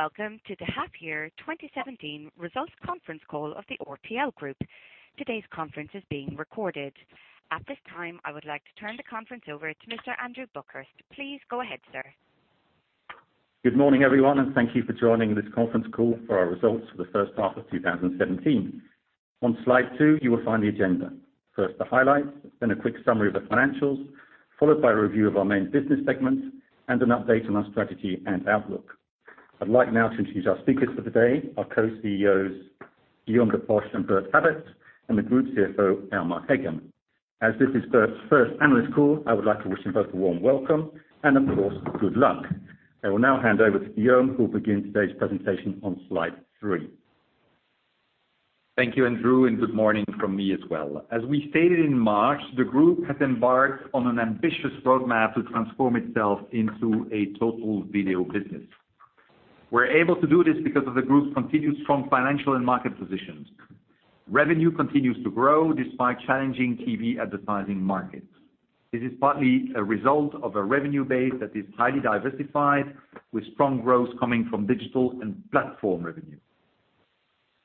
Welcome to the half year 2017 results conference call of the RTL Group. Today's conference is being recorded. At this time, I would like to turn the conference over to Mr. Andrew Buckhurst. Please go ahead, sir. Good morning, everyone, and thank you for joining this conference call for our results for the first half of 2017. On slide two, you will find the agenda. First the highlights, then a quick summary of the financials, followed by a review of our main business segments, and an update on our strategy and outlook. I'd like now to introduce our speakers for today, our co-CEOs, Guillaume de Posch and Bert Habets, and the group CFO, Elmar Heggen. As this is Bert's first analyst call, I would like to wish him both a warm welcome and of course, good luck. I will now hand over to Guillaume who will begin today's presentation on slide three. Thank you, Andrew, and good morning from me as well. As we stated in March, the group has embarked on an ambitious roadmap to transform itself into a total video business. We're able to do this because of the group's continued strong financial and market positions. Revenue continues to grow despite challenging TV advertising markets. This is partly a result of a revenue base that is highly diversified, with strong growth coming from digital and platform revenue.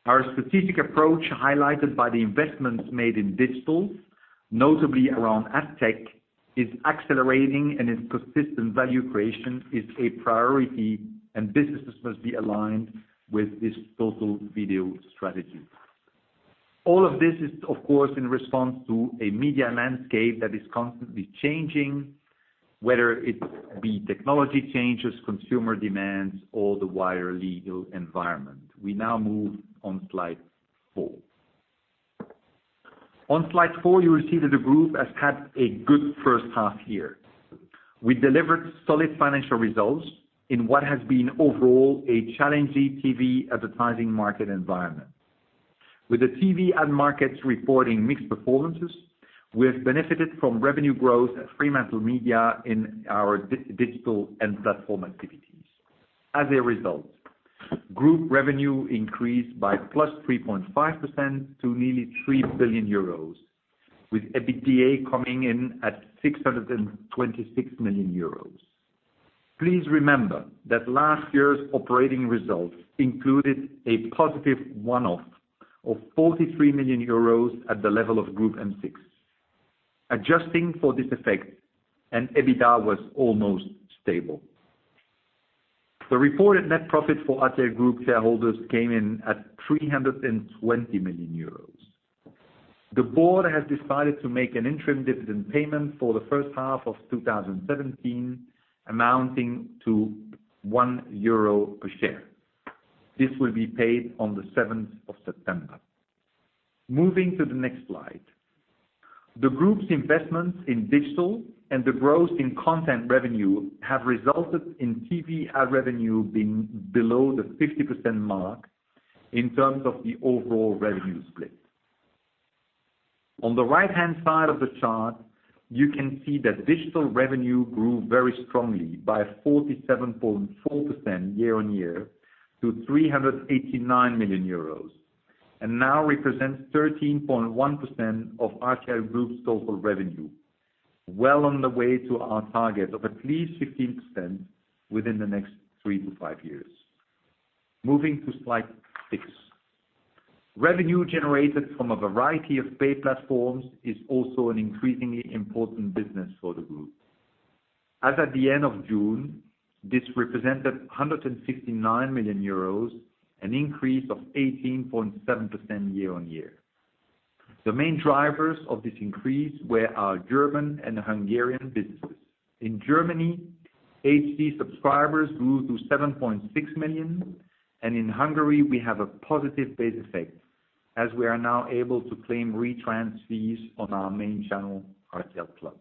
Our strategic approach highlighted by the investments made in digital, notably around AdTech, is accelerating and its consistent value creation is a priority. Businesses must be aligned with this total video strategy. All of this is, of course, in response to a media landscape that is constantly changing, whether it be technology changes, consumer demands, or the wider legal environment. We now move on slide four. On slide four, you will see that the group has had a good first half year. We delivered solid financial results in what has been overall a challenging TV advertising market environment. With the TV ad markets reporting mixed performances, we have benefited from revenue growth at FremantleMedia in our digital and platform activities. As a result, group revenue increased by +3.5% to nearly 3 billion euros with EBITDA coming in at 626 million euros. Please remember that last year's operating results included a positive one-off of 43 million euros at the level of Groupe M6. Adjusting for this effect, EBITDA was almost stable. The reported net profit for RTL Group shareholders came in at 320 million euros. The board has decided to make an interim dividend payment for the first half of 2017 amounting to 1 euro per share. This will be paid on the 7th of September. Moving to the next slide. The group's investments in digital and the growth in content revenue have resulted in TV ad revenue being below the 50% mark in terms of the overall revenue split. On the right-hand side of the chart, you can see that digital revenue grew very strongly by 47.4% year on year to 389 million euros, and now represents 13.1% of RTL Group's total revenue. Well on the way to our target of at least 15% within the next three to five years. Moving to slide six. Revenue generated from a variety of paid platforms is also an increasingly important business for the group. As at the end of June, this represented 169 million euros, an increase of 18.7% year on year. The main drivers of this increase were our German and Hungarian businesses. In Germany, HD subscribers grew to 7.6 million, and in Hungary, we have a positive base effect, as we are now able to claim retrans fees on our main channel, RTL Klub.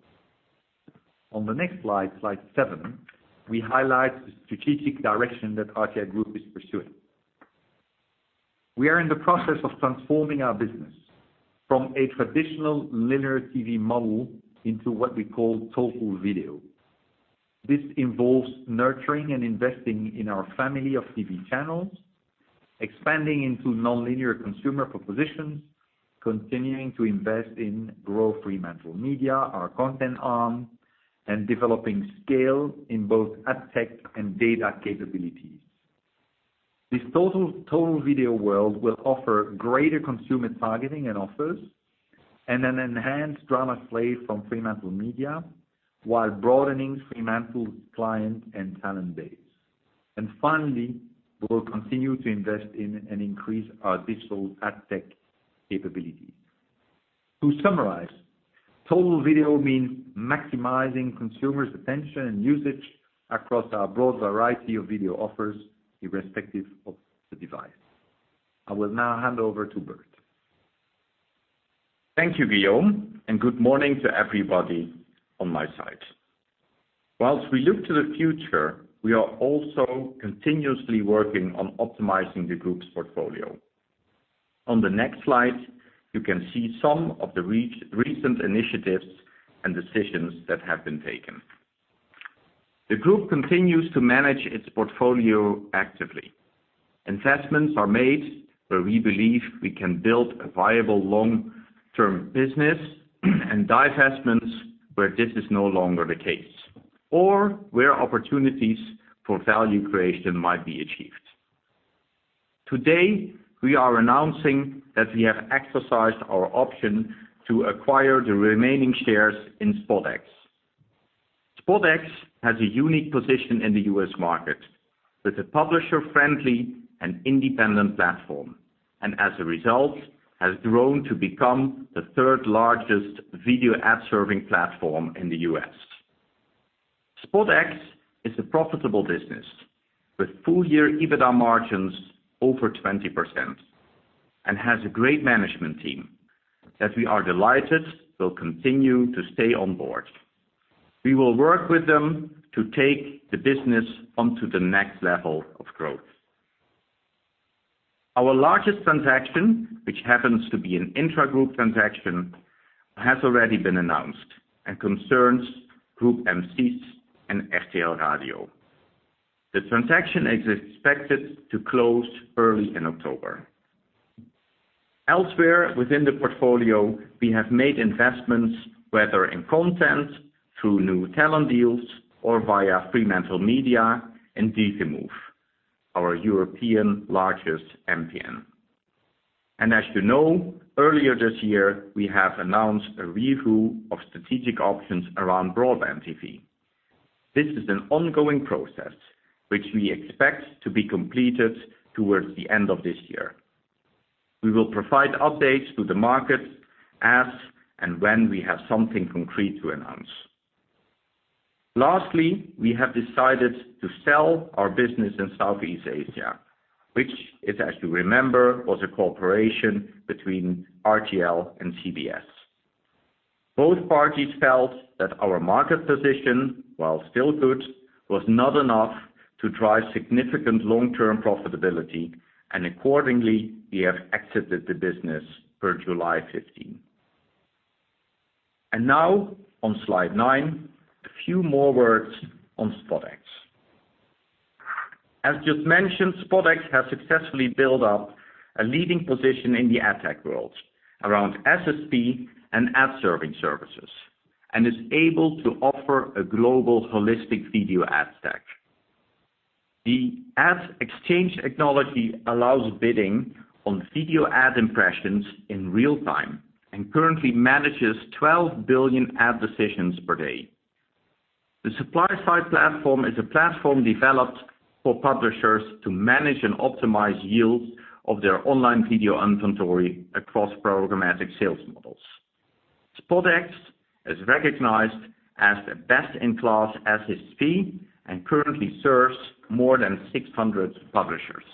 On the next slide seven, we highlight the strategic direction that RTL Group is pursuing. We are in the process of transforming our business from a traditional linear TV model into what we call total video. This involves nurturing and investing in our family of TV channels, expanding into nonlinear consumer propositions, continuing to invest in grow FremantleMedia, our content arm, and developing scale in both AdTech and data capabilities. This total video world will offer greater consumer targeting and offers, an enhanced drama slate from FremantleMedia, while broadening Fremantle's client and talent base. Finally, we will continue to invest in and increase our digital AdTech capability. To summarize, total video means maximizing consumers' attention and usage across our broad variety of video offers, irrespective of the device. I will now hand over to Bert. Thank you, Guillaume. Good morning to everybody on my side. Whilst we look to the future, we are also continuously working on optimizing the group's portfolio. On the next slide, you can see some of the recent initiatives and decisions that have been taken. The group continues to manage its portfolio actively Investments are made where we believe we can build a viable long-term business and divestments where this is no longer the case or where opportunities for value creation might be achieved. Today, we are announcing that we have exercised our option to acquire the remaining shares in SpotX. SpotX has a unique position in the U.S. market with a publisher-friendly and independent platform, and as a result, has grown to become the third largest video ad serving platform in the U.S. SpotX is a profitable business with full year EBITDA margins over 20% and has a great management team that we are delighted will continue to stay on board. We will work with them to take the business on to the next level of growth. Our largest transaction, which happens to be an intragroup transaction, has already been announced and concerns Groupe M6 and RTL Radio. The transaction is expected to close early in October. Elsewhere within the portfolio, we have made investments, whether in content through new talent deals or via FremantleMedia and Dentsu, our European largest MPN. As you know, earlier this year, we have announced a review of strategic options around BroadbandTV. This is an ongoing process, which we expect to be completed towards the end of this year. We will provide updates to the market as and when we have something concrete to announce. Lastly, we have decided to sell our business in Southeast Asia, which as you remember, was a cooperation between RTL and CBS. Both parties felt that our market position, while still good, was not enough to drive significant long-term profitability. Accordingly, we have exited the business per July 15. Now on slide nine, a few more words on SpotX. As just mentioned, SpotX has successfully built up a leading position in the AdTech world around SSP and ad serving services and is able to offer a global holistic video ad stack. The ad exchange technology allows bidding on video ad impressions in real time and currently manages 12 billion ad decisions per day. The supply side platform is a platform developed for publishers to manage and optimize yields of their online video inventory across programmatic sales models. SpotX is recognized as a best-in-class SSP and currently serves more than 600 publishers.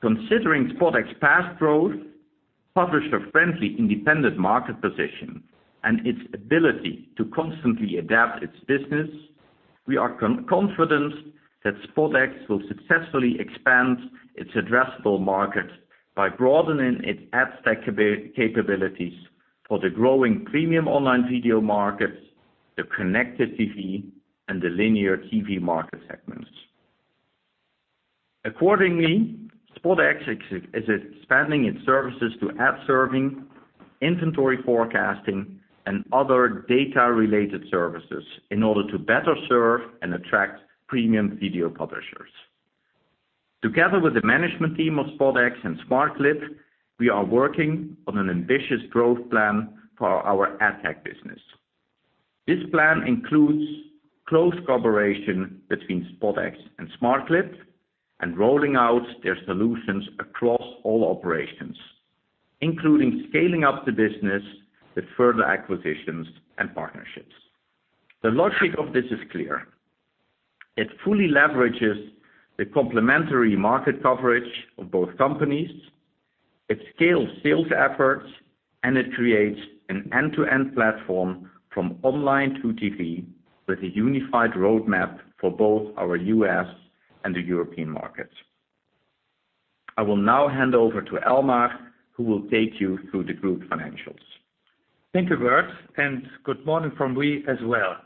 Considering SpotX past growth, publisher-friendly independent market position, and its ability to constantly adapt its business, we are confident that SpotX will successfully expand its addressable market by broadening its ad stack capabilities for the growing premium online video markets, the connected TV, and the linear TV market segments. Accordingly, SpotX is expanding its services to ad serving, inventory forecasting, and other data-related services in order to better serve and attract premium video publishers. Together with the management team of SpotX and smartclip, we are working on an ambitious growth plan for our AdTech business. This plan includes close cooperation between SpotX and smartclip and rolling out their solutions across all operations, including scaling up the business with further acquisitions and partnerships. The logic of this is clear. It fully leverages the complementary market coverage of both companies, it scales sales efforts, and it creates an end-to-end platform from online to TV with a unified roadmap for both our U.S. and the European markets. I will now hand over to Elmar, who will take you through the group financials. Thank you, Bert, and good morning from me as well.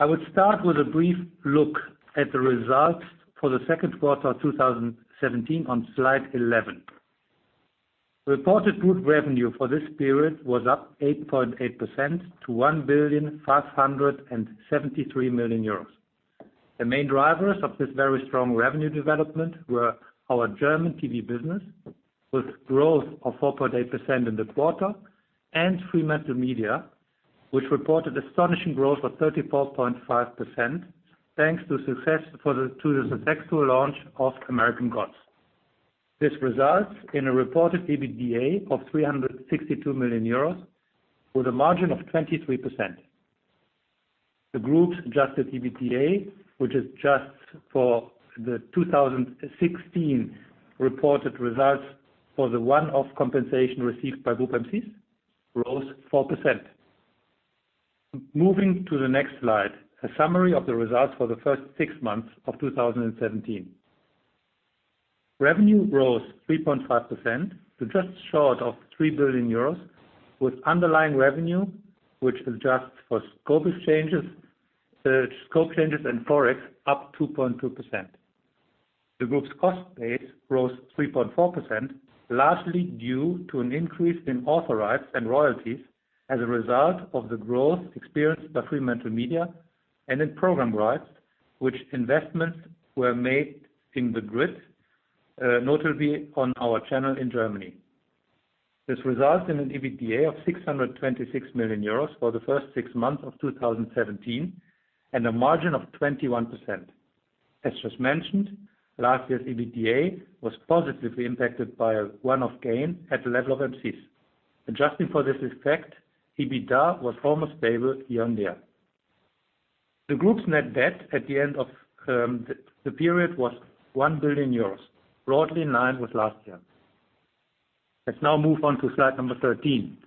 I would start with a brief look at the results for the second quarter of 2017 on slide 11. Reported group revenue for this period was up 8.8% to 1,573,000,000 euros. The main drivers of this very strong revenue development were our German TV business, with growth of 4.8% in the quarter, and FremantleMedia, which reported astonishing growth of 34.5% thanks to the successful launch of American Gods. This results in a reported EBITDA of 362 million euros with a margin of 23%. The group's adjusted EBITDA, which is just for the 2016 reported results for the one-off compensation received by Groupe M6, rose 4%. Moving to the next slide, a summary of the results for the first six months of 2017. Revenue rose 3.5% to just short of 3 billion euros, with underlying revenue, which adjusts for scope changes and Forex, up 2.2%. The group's cost base rose 3.4%, largely due to an increase in authorized and royalties as a result of the growth experienced by FremantleMedia and in program rights, which investments were made in the grid, notably on our channel in Germany. This results in an EBITDA of 626 million euros for the first six months of 2017 and a margin of 21%. As just mentioned, last year's EBITDA was positively impacted by a one-off gain at the level of [M6]. Adjusting for this effect, EBITDA was almost stable year-on-year. The group's net debt at the end of the period was 1 billion euros, broadly in line with last year. Let's now move on to slide 13.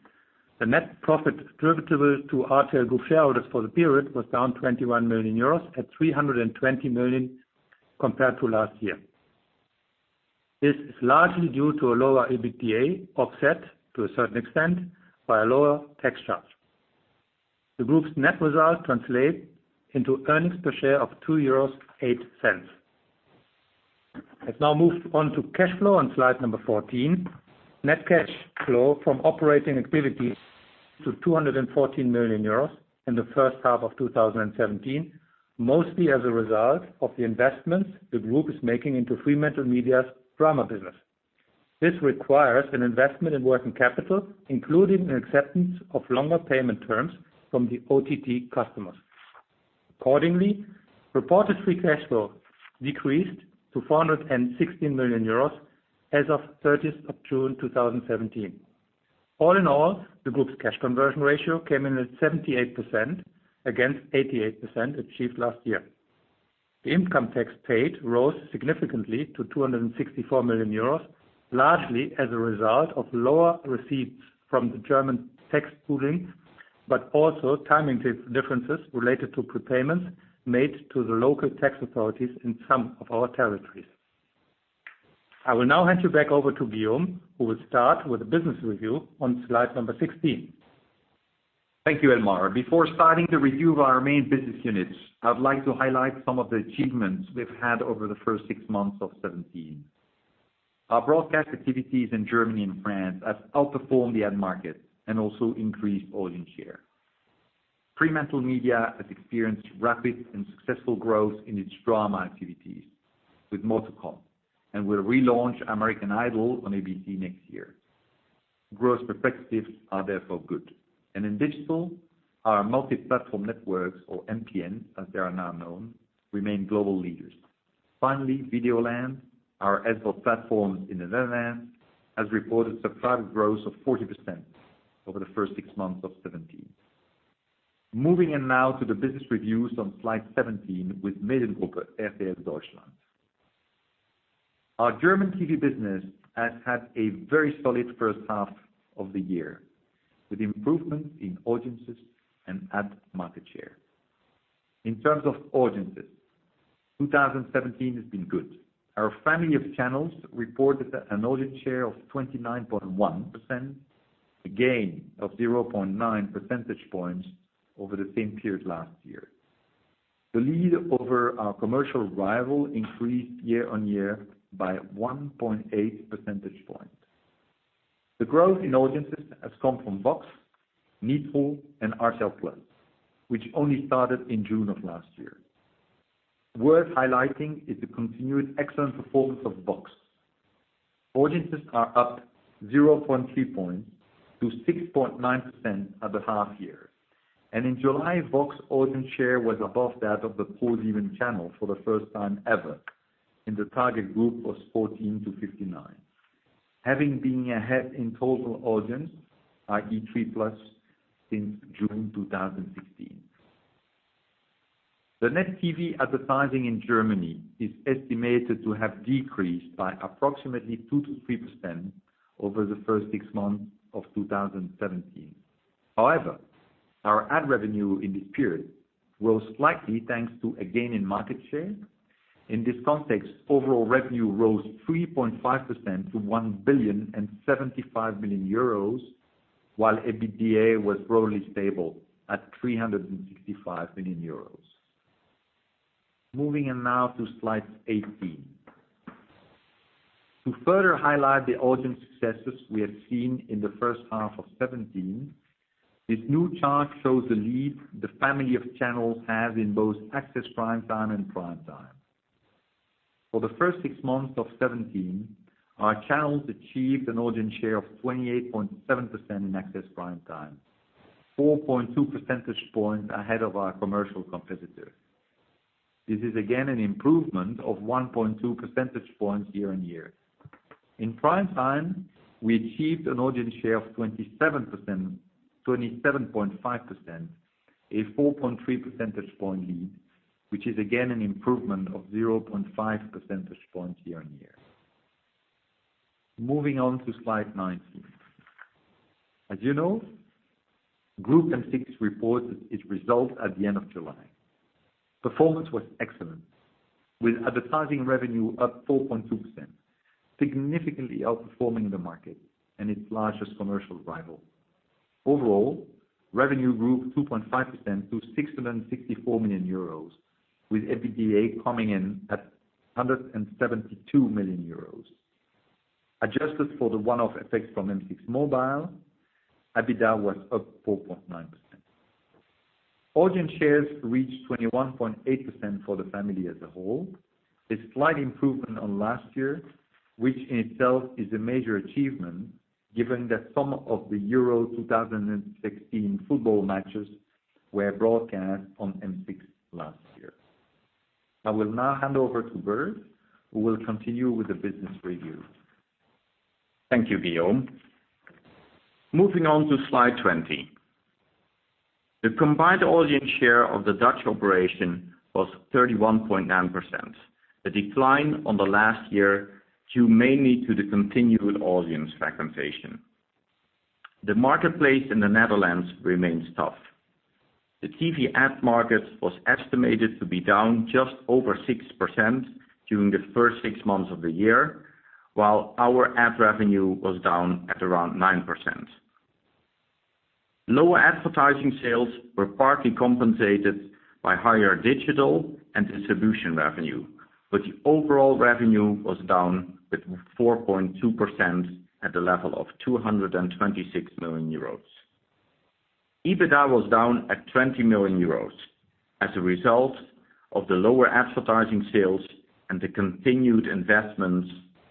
The net profit attributable to RTL Group shareholders for the period was down 21 million euros at 320 million compared to last year. This is largely due to a lower EBITDA offset to a certain extent by a lower tax charge. The group's net result translates into earnings per share of 2.08 euros. Let's now move on to cash flow on slide 14. Net cash flow from operating activities to 214 million euros in the first half of 2017, mostly as a result of the investments the group is making into FremantleMedia's drama business. This requires an investment in working capital, including an acceptance of longer payment terms from the OTT customers. Accordingly, reported free cash flow decreased to 416 million euros as of 30th of June 2017. All in all, the group's cash conversion ratio came in at 78% against 88% achieved last year. The income tax paid rose significantly to 264 million euros, largely as a result of lower receipts from the German tax pooling, but also timing differences related to prepayments made to the local tax authorities in some of our territories. I will now hand you back over to Guillaume, who will start with the business review on slide 16. Thank you, Elmar. Before starting the review of our main business units, I would like to highlight some of the achievements we've had over the first six months of 2017. Our broadcast activities in Germany and France have outperformed the ad market and also increased audience share. FremantleMedia has experienced rapid and successful growth in its drama activities with more to come, and will relaunch "American Idol" on ABC next year. Growth perspectives are therefore good. In digital, our multi-platform networks or MPN, as they are now known, remain global leaders. Finally, Videoland, our ad-support platform in the Netherlands, has reported subscriber growth of 40% over the first six months of 2017. Moving in now to the business reviews on slide 17 with Mediengruppe RTL Deutschland. Our German TV business has had a very solid first half of the year, with improvements in audiences and ad market share. In terms of audiences, 2017 has been good. Our family of channels reported an audience share of 29.1%, a gain of 0.9 percentage points over the same period last year. The lead over our commercial rival increased year-on-year by 1.8 percentage points. The growth in audiences has come from VOX, Nitro, and RTL+, which only started in June of last year. Worth highlighting is the continued excellent performance of VOX. Audiences are up 0.3 points to 6.9% at the half year. In July, VOX audience share was above that of the ProSieben channel for the first time ever in the target group of 14 to 59. Having been ahead in total audience, i.e. 3+, since June 2016. The net TV advertising in Germany is estimated to have decreased by approximately 2% to 3% over the first six months of 2017. Our ad revenue in this period rose slightly, thanks to a gain in market share. In this context, overall revenue rose 3.5% to EUR 1,075,000,000, while EBITDA was broadly stable at 365 million euros. Moving in now to slide 18. To further highlight the audience successes we have seen in the first half of 2017, this new chart shows the lead the family of channels has in both access prime time and prime time. For the first six months of 2017, our channels achieved an audience share of 28.7% in access prime time, 4.2 percentage points ahead of our commercial competitor. This is again an improvement of 1.2 percentage points year-on-year. In prime time, we achieved an audience share of 27.5%, a 4.3 percentage point lead, which is again an improvement of 0.5 percentage points year-on-year. Moving on to slide 19. As you know, Groupe M6 reported its results at the end of July. Performance was excellent, with advertising revenue up 4.2%, significantly outperforming the market and its largest commercial rival. Overall, revenue grew 2.5% to 664 million euros, with EBITDA coming in at 172 million euros. Adjusted for the one-off effect from M6 Mobile, EBITDA was up 4.9%. Audience shares reached 21.8% for the family as a whole. A slight improvement on last year, which in itself is a major achievement given that some of the UEFA Euro 2016 football matches were broadcast on M6 last year. I will now hand over to Bert, who will continue with the business review. Thank you, Guillaume. Moving on to slide 20. The combined audience share of the Dutch operation was 31.9%, a decline on the last year due mainly to the continued audience fragmentation. The marketplace in the Netherlands remains tough. The TV ad market was estimated to be down just over 6% during the first six months of the year, while our ad revenue was down at around 9%. Lower advertising sales were partly compensated by higher digital and distribution revenue, but the overall revenue was down with 4.2% at the level of 226 million euros. EBITDA was down at 20 million euros as a result of the lower advertising sales and the continued investments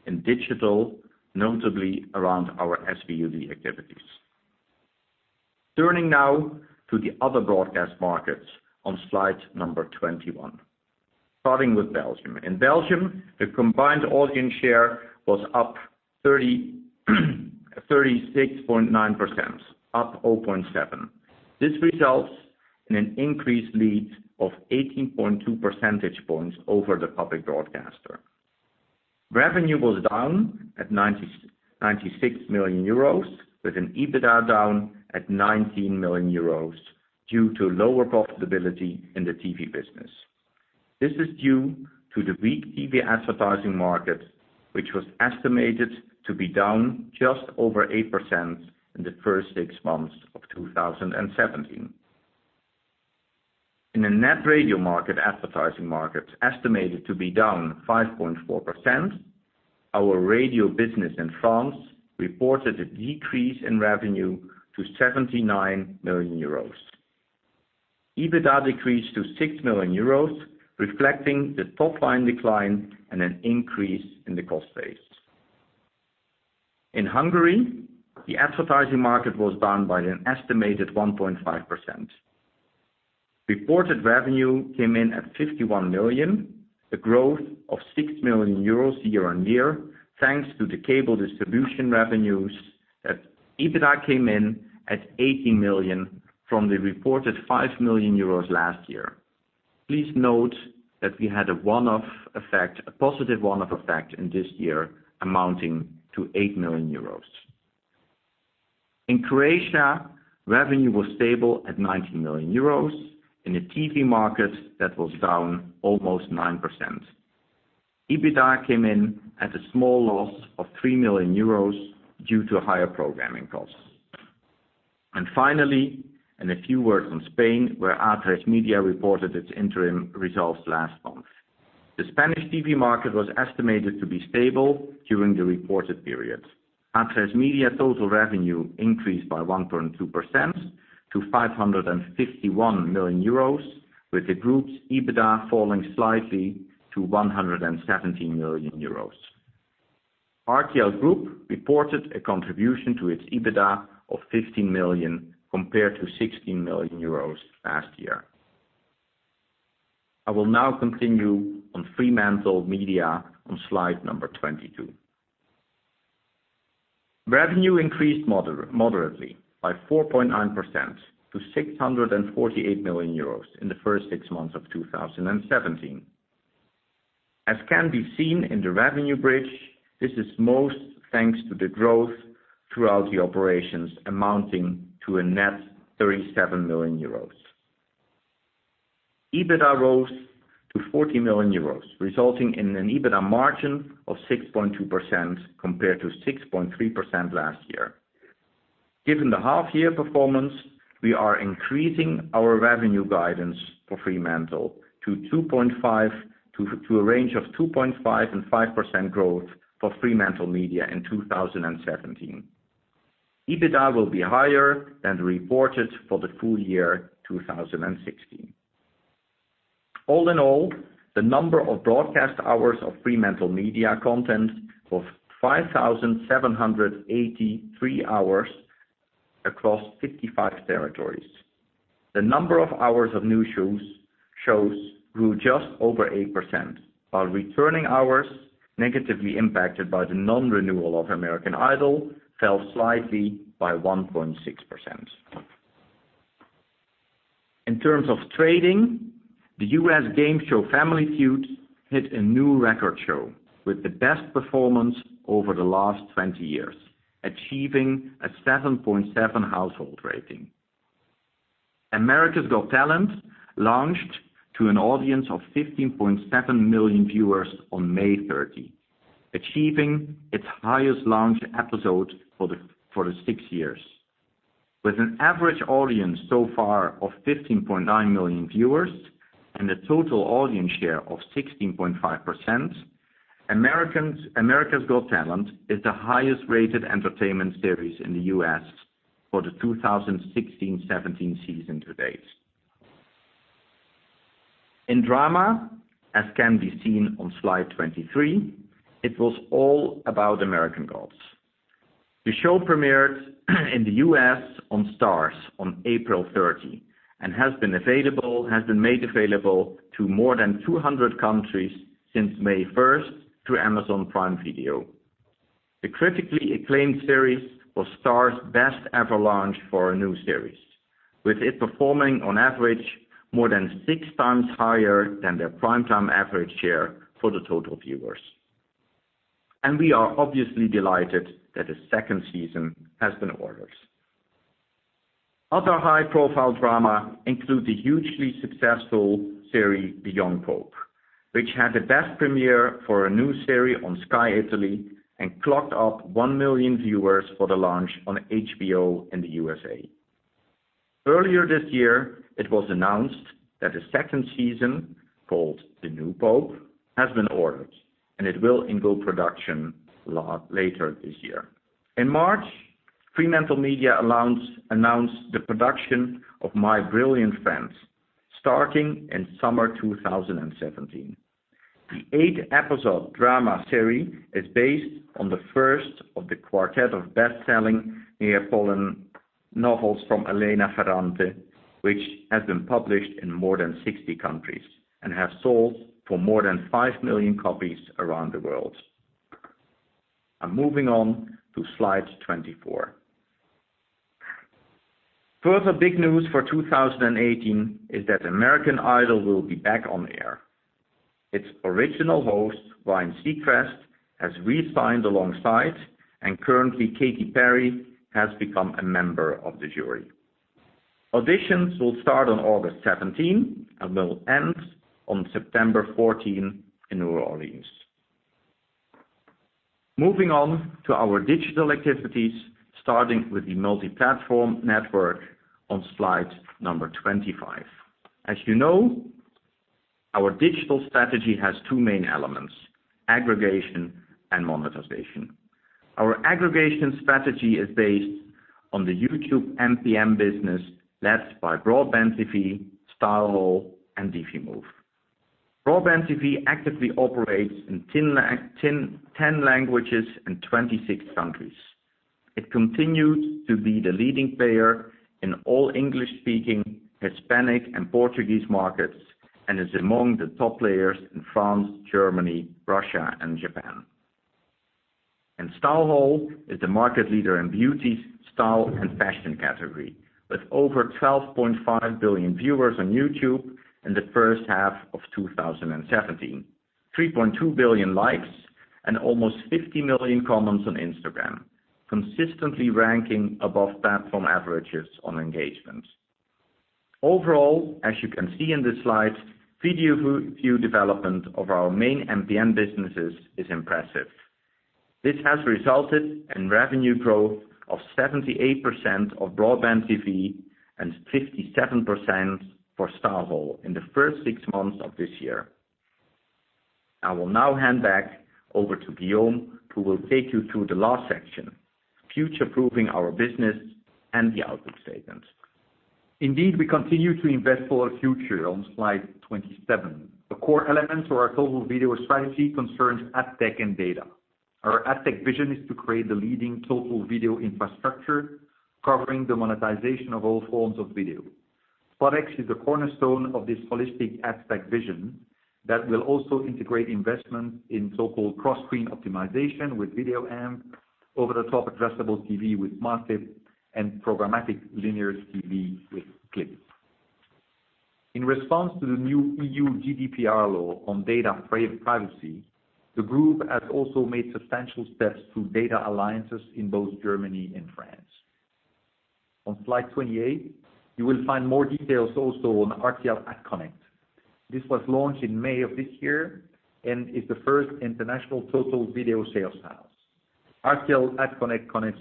in digital, notably around our SVOD activities. Turning now to the other broadcast markets on slide number 21. Starting with Belgium. In Belgium, the combined audience share was up 36.9%, up 0.7. This results in an increased lead of 18.2 percentage points over the public broadcaster. Revenue was down at 96 million euros, with an EBITDA down at 19 million euros due to lower profitability in the TV business. This is due to the weak TV advertising market, which was estimated to be down just over 8% in the first six months of 2017. In a net radio market, advertising market estimated to be down 5.4%, our radio business in France reported a decrease in revenue to 79 million euros. EBITDA decreased to six million euros, reflecting the top-line decline and an increase in the cost base. In Hungary, the advertising market was down by an estimated 1.5%. Reported revenue came in at 51 million, a growth of six million euros year-on-year, thanks to the cable distribution revenues. That EBITDA came in at 18 million from the reported five million euros last year. Please note that we had a positive one-off effect in this year amounting to eight million euros. In Croatia, revenue was stable at 19 million euros. In a TV market, that was down almost 9%. EBITDA came in at a small loss of three million euros due to higher programming costs. Finally, in a few words on Spain, where Atresmedia reported its interim results last month. The Spanish TV market was estimated to be stable during the reported period. Atresmedia total revenue increased by 1.2% to 551 million euros, with the group's EBITDA falling slightly to 117 million euros. RTL Group reported a contribution to its EBITDA of 15 million, compared to 16 million euros last year. I will now continue on FremantleMedia on slide number 22. Revenue increased moderately by 4.9% to 648 million euros in the first six months of 2017. As can be seen in the revenue bridge, this is most thanks to the growth throughout the operations amounting to a net 37 million euros. EBITDA rose to 40 million euros, resulting in an EBITDA margin of 6.2% compared to 6.3% last year. Given the half-year performance, we are increasing our revenue guidance for Fremantle to a range of 2.5%-5% growth for FremantleMedia in 2017. EBITDA will be higher than reported for the full year 2016. All in all, the number of broadcast hours of FremantleMedia content was 5,783 hours across 55 territories. The number of hours of new shows grew just over 8%, while returning hours, negatively impacted by the non-renewal of American Idol, fell slightly by 1.6%. In terms of trading, the U.S. game show, "Family Feud", hit a new record show with the best performance over the last 20 years, achieving a 7.7 household rating. "America's Got Talent" launched to an audience of 15.7 million viewers on May 30, achieving its highest launch episode for the six years. With an average audience so far of 15.9 million viewers and a total audience share of 16.5%, "America's Got Talent" is the highest-rated entertainment series in the U.S. for the 2016/17 season to date. In drama, as can be seen on slide 23, it was all about "American Gods". The show premiered in the U.S. on Starz on April 30, and has been made available to more than 200 countries since May 1st through Amazon Prime Video. The critically acclaimed series was Starz' best ever launch for a new series, with it performing on average more than six times higher than their primetime average share for the total viewers. We are obviously delighted that a second season has been ordered. Other high-profile drama include the hugely successful series "The Young Pope", which had the best premiere for a new series on Sky Italia and clocked up 1 million viewers for the launch on HBO in the U.S. Earlier this year, it was announced that a second season, called "The New Pope", has been ordered, and it will go into production later this year. In March, FremantleMedia announced the production of "My Brilliant Friend", starting in summer 2017. The 8-episode drama series is based on the first of the quartet of bestselling Neapolitan novels from Elena Ferrante, which have been published in more than 60 countries and have sold for more than 5 million copies around the world. I'm moving on to slide 24. Further big news for 2018 is that "American Idol" will be back on air. Its original host, Ryan Seacrest, has re-signed alongside, currently Katy Perry has become a member of the jury. Auditions will start on August 17 and will end on September 14 in New Orleans. Moving on to our digital activities, starting with the multi-platform network on slide number 25. As you know, our digital strategy has two main elements, aggregation and monetization. Our aggregation strategy is based on the YouTube MPN business led by BroadbandTV, StyleHaul, and Dailymotion. BroadbandTV actively operates in 10 languages and 26 countries. It continues to be the leading player in all English-speaking, Hispanic, and Portuguese markets, and is among the top players in France, Germany, Russia, and Japan. StyleHaul is the market leader in beauty, style, and fashion category, with over 12.5 billion viewers on YouTube in the first half of 2017, 3.2 billion likes, and almost 50 million comments on Instagram, consistently ranking above platform averages on engagement. Overall, as you can see in this slide, video view development of our main MPN businesses is impressive. This has resulted in revenue growth of 78% of BroadbandTV and 57% for StyleHaul in the first six months of this year. I will now hand back over to Guillaume, who will take you through the last section, future-proofing our business and the outlook statement. Indeed, we continue to invest for our future. On slide 27, the core elements for our total video strategy concerns AdTech and data. Our AdTech vision is to create the leading total video infrastructure, covering the monetization of all forms of video. SpotX is the cornerstone of this holistic AdTech vision that will also integrate investment in so-called cross-screen optimization with VideoAmp, over-the-top addressable TV with massive and programmatic linear TV with Clypd. In response to the new EU GDPR law on data privacy, the group has also made substantial steps through data alliances in both Germany and France. On slide 28, you will find more details also on RTL AdConnect. This was launched in May of this year and is the first international total video sales house. RTL AdConnect connects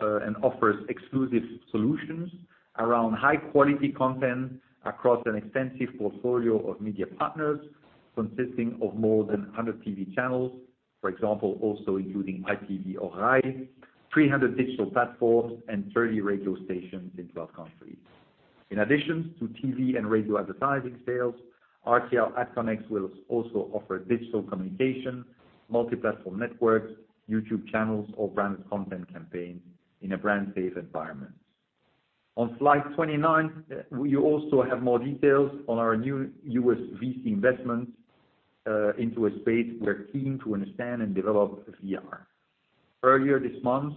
and offers exclusive solutions around high-quality content across an extensive portfolio of media partners, consisting of more than 100 TV channels, for example, also including IP France, 300 digital platforms, and 30 radio stations in 12 countries. In addition to TV and radio advertising sales, RTL AdConnect will also offer digital communication, multi-platform networks, YouTube channels, or branded content campaign in a brand safe environment. On slide 29, you also have more details on our new U.S. VC investment into a space we're keen to understand and develop, VR. Earlier this month,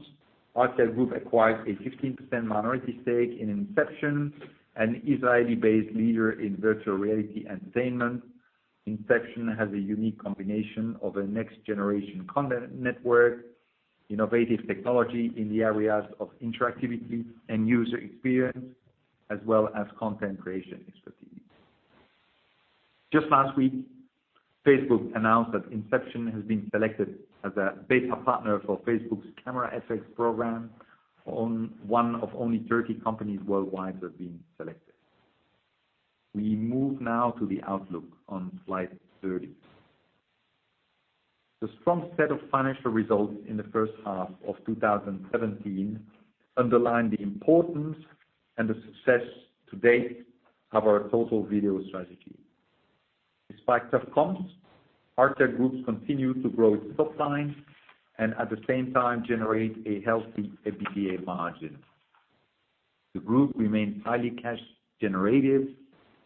RTL Group acquired a 15% minority stake in Inception, an Israeli-based leader in virtual reality entertainment. Inception has a unique combination of a next generation content network, innovative technology in the areas of interactivity and user experience, as well as content creation expertise. Just last week, Facebook announced that Inception has been selected as a beta partner for Facebook's Camera Effects program, one of only 30 companies worldwide that have been selected. We move now to the outlook on slide 30. The strong set of financial results in the first half of 2017 underline the importance and the success to date of our total video strategy. Despite tough comps, RTL Group continues to grow its top line and at the same time generate a healthy EBITDA margin. The group remains highly cash generative,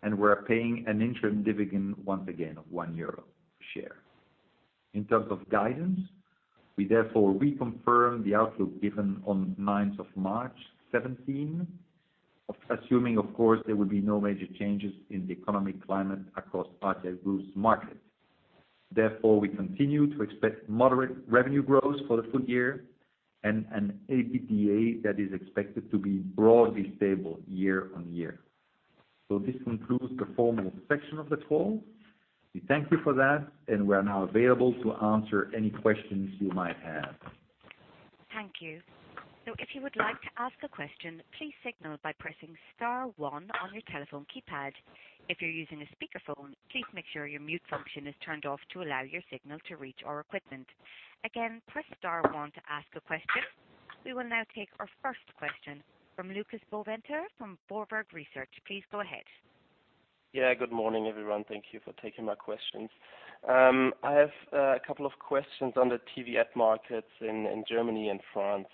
and we're paying an interim dividend once again of one euro per share. We therefore reconfirm the outlook given on the 9th of March 2017, assuming, of course, there will be no major changes in the economic climate across RTL Group's markets. We continue to expect moderate revenue growth for the full year and an EBITDA that is expected to be broadly stable year-over-year. This concludes the formal section of the call. We thank you for that, and we're now available to answer any questions you might have. Thank you. If you would like to ask a question, please signal by pressing star one on your telephone keypad. If you're using a speakerphone, please make sure your mute function is turned off to allow your signal to reach our equipment. Again, press star one to ask a question. We will now take our first question from Lukas Boehnert from Berenberg. Please go ahead. Good morning, everyone. Thank you for taking my questions. I have a couple of questions on the TV ad markets in Germany and France.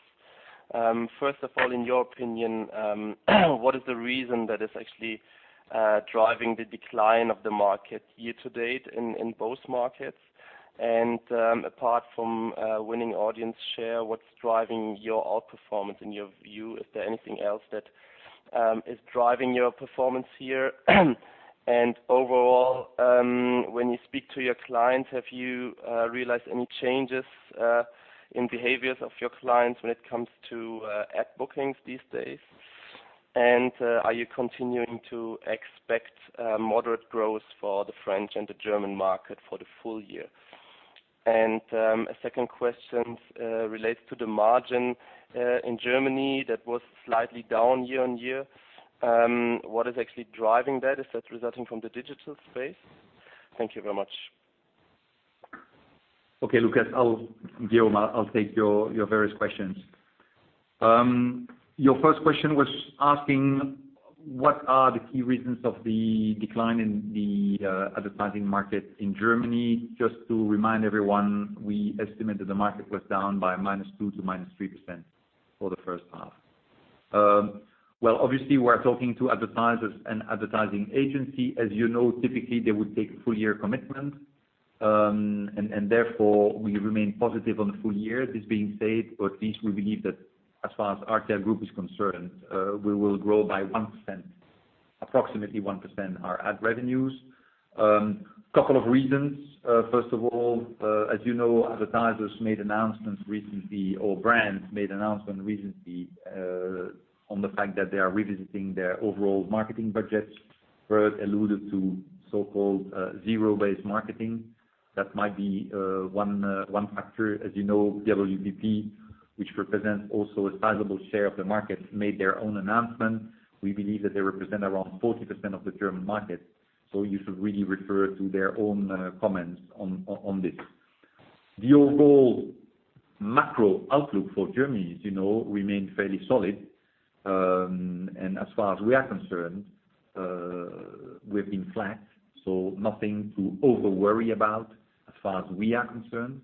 First of all, in your opinion, what is the reason that is actually driving the decline of the market year-to-date in both markets? Apart from winning audience share, what's driving your outperformance in your view? Is there anything else that is driving your performance here? Overall, when you speak to your clients, have you realized any changes in behaviors of your clients when it comes to ad bookings these days? Are you continuing to expect moderate growth for the French and the German market for the full year? A second question relates to the margin in Germany that was slightly down year-over-year. What is actually driving that? Is that resulting from the digital space? Thank you very much. Okay, Lukas. Guillaume, I'll take your various questions. Your first question was asking what are the key reasons of the decline in the advertising market in Germany. To remind everyone, we estimated the market was down by -2% to -3% for the first half. Obviously, we're talking to advertisers and advertising agency. As you know, typically, they would take a full-year commitment. Therefore, we remain positive on the full year. This being said, at least we believe that as far as RTL Group is concerned, we will grow by approximately 1% our ad revenues. Couple of reasons. First of all, as you know, advertisers made announcements recently, or brands made announcements recently, on the fact that they are revisiting their overall marketing budgets. Bert alluded to so-called zero-based marketing. That might be one factor. As you know, [WBP], which represents also a sizable share of the market, made their own announcement. We believe that they represent around 40% of the German market, you should really refer to their own comments on this. The overall macro outlook for Germany, as you know, remains fairly solid. As far as we are concerned, we've been flat, nothing to overworry about as far as we are concerned.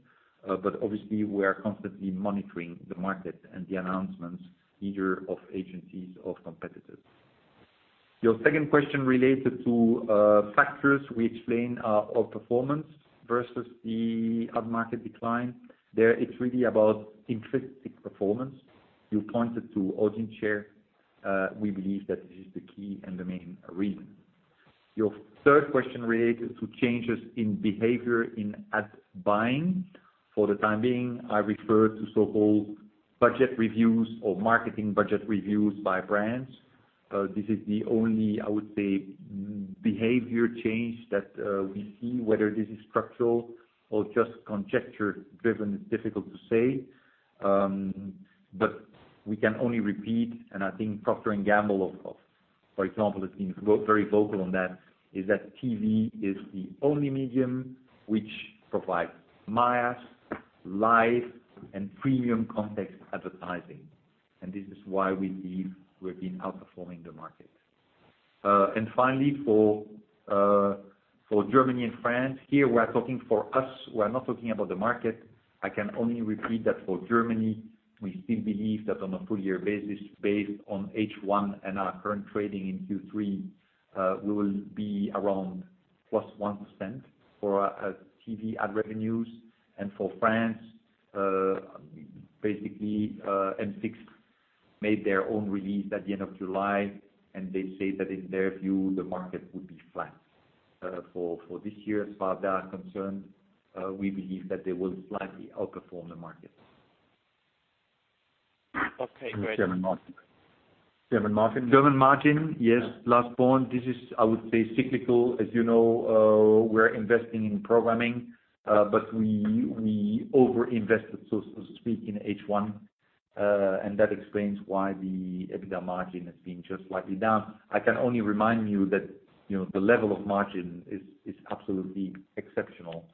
Obviously, we are constantly monitoring the market and the announcements, either of agencies or competitors. Your second question related to factors which explain our performance versus the ad market decline. There, it's really about intrinsic performance. You pointed to audience share. We believe that this is the key and the main reason. Your third question related to changes in behavior in ad buying. For the time being, I refer to so-called budget reviews or marketing budget reviews by brands. This is the only, I would say, behavior change that we see. Whether this is structural or just conjecture driven is difficult to say. We can only repeat, and I think Procter & Gamble, for example, has been very vocal on that, is that TV is the only medium which provides mass, live, and premium context advertising. This is why we believe we've been outperforming the market. Finally, for Germany and France, here we're talking for us. We're not talking about the market. I can only repeat that for Germany, we still believe that on a full year basis, based on H1 and our current trading in Q3, we will be around Plus 1% for our TV ad revenues and for France, basically M6 made their own release at the end of July, and they say that in their view, the market would be flat. For this year, as far as they are concerned, we believe that they will slightly outperform the market. Okay, great. German margin. German margin, yes. Last point. This is, I would say cyclical. As you know, we're investing in programming. We over-invested so to speak, in H1. That explains why the EBITDA margin has been just slightly down. I can only remind you that the level of margin is absolutely exceptional,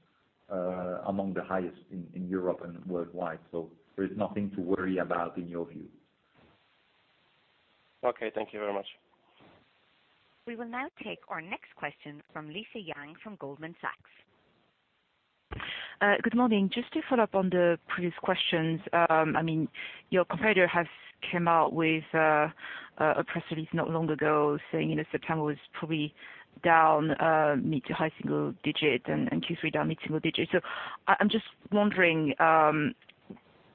among the highest in Europe and worldwide. There is nothing to worry about in your view. Okay. Thank you very much. We will now take our next question from Lisa Yang from Goldman Sachs. Good morning. Just to follow up on the previous questions. Your competitor has come out with a press release not long ago saying, September was probably down mid to high single-digit and Q3 down mid single-digits. I'm just wondering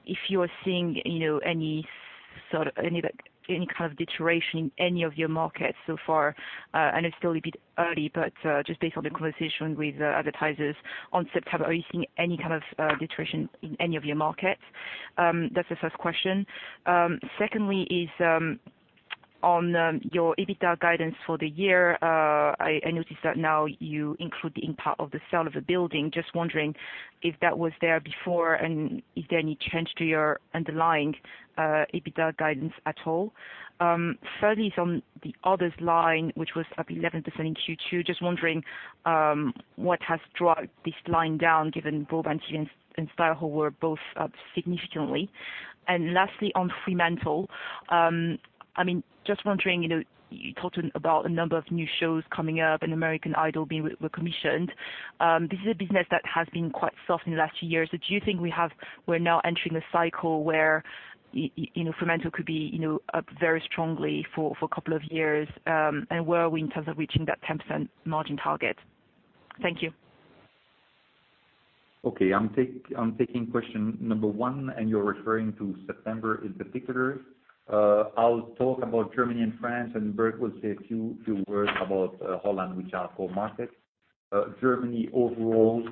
if you are seeing any kind of deterioration in any of your markets so far. I know it's still a bit early, just based on the conversation with advertisers on September, are you seeing any kind of deterioration in any of your markets? That's the first question. Secondly, is on your EBITDA guidance for the year. I noticed that now you include the impact of the sale of the building. Just wondering if that was there before and is there any change to your underlying EBITDA guidance at all? Thirdly is on the others line, which was up 11% in Q2. Just wondering, what has dragged this line down, given BroadbandTV and StyleHaul were both up significantly. Lastly, on Fremantle. Just wondering, you talked about a number of new shows coming up and "American Idol" being recommissioned. This is a business that has been quite soft in the last few years. Do you think we're now entering a cycle where Fremantle could be up very strongly for a couple of years? Where are we in terms of reaching that 10% margin target? Thank you. Okay. I'm taking question number one, you're referring to September in particular. I'll talk about Germany and France, Bert will say a few words about Holland, which are core markets. Germany overall,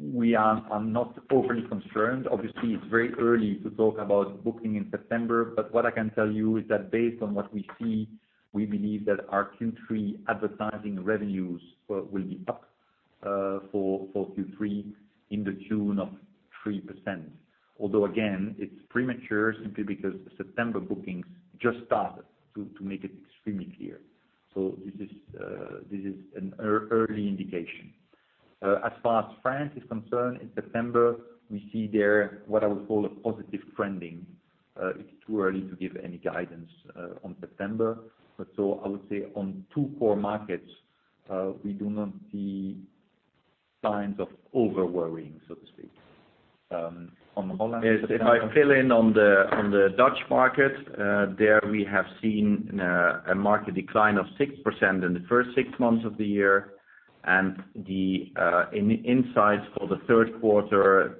we are not overly concerned. Obviously, it's very early to talk about booking in September, but what I can tell you is that based on what we see, we believe that our Q3 advertising revenues will be up for Q3 in the tune of 3%. Although again, it's premature simply because September bookings just started, to make it extremely clear. This is an early indication. As far as France is concerned, in September, we see there what I would call a positive trending. It's too early to give any guidance on September. I would say on two core markets, we do not see signs of over-worrying, so to speak. On the Holland- If I fill in on the Dutch market, there we have seen a market decline of 6% in the first six months of the year. The insights for the third quarter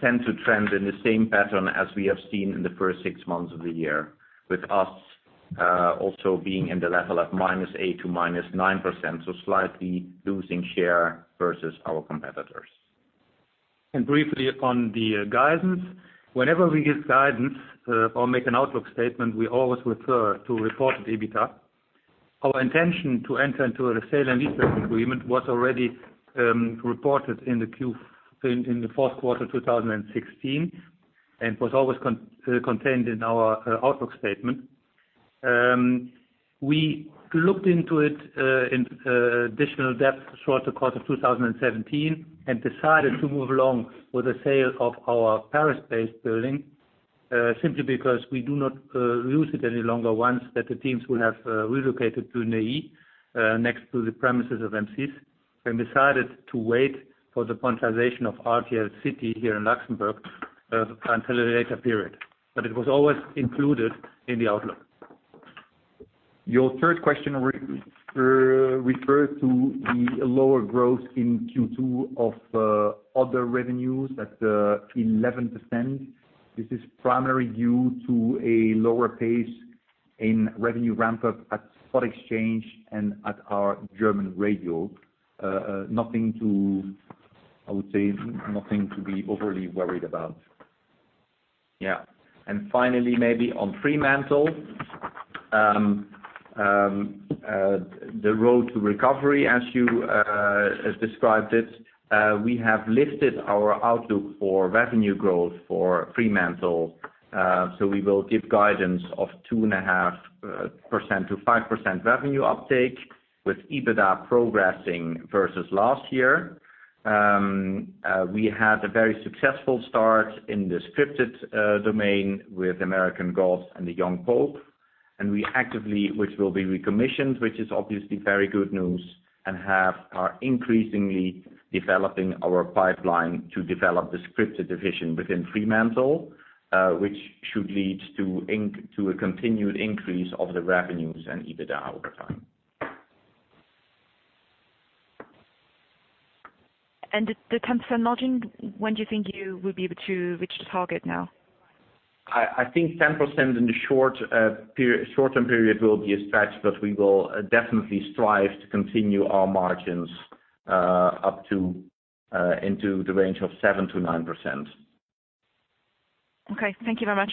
tend to trend in the same pattern as we have seen in the first six months of the year, with us also being in the level of -8% to -9%, so slightly losing share versus our competitors. Briefly on the guidance, whenever we give guidance or make an outlook statement, we always refer to reported EBITDA. Our intention to enter into a sale and leasing agreement was already reported in the fourth quarter 2016 and was always contained in our outlook statement. We looked into it in additional depth throughout the course of 2017 and decided to move along with the sale of our Paris-based building, simply because we do not use it any longer once that the teams will have relocated to Neuilly, next to the premises of M6, and decided to wait for the privatization of RTL City here in Luxembourg until a later period. It was always included in the outlook. Your third question refers to the lower growth in Q2 of other revenues at 11%. This is primarily due to a lower pace in revenue ramp-up at SpotX and at our German radio. I would say nothing to be overly worried about. Finally, maybe on Fremantle. The road to recovery, as you described it. We have lifted our outlook for revenue growth for Fremantle. We will give guidance of 2.5%-5% revenue uptake with EBITDA progressing versus last year. We had a very successful start in the scripted domain with "American Gods" and "The Young Pope", which will be recommissioned, which is obviously very good news, and are increasingly developing our pipeline to develop the scripted division within Fremantle, which should lead to a continued increase of the revenues and EBITDA over time. The 10% margin, when do you think you will be able to reach the target now? I think 10% in the short-term period will be a stretch, we will definitely strive to continue our margins up into the range of 7%-9%. Okay. Thank you very much.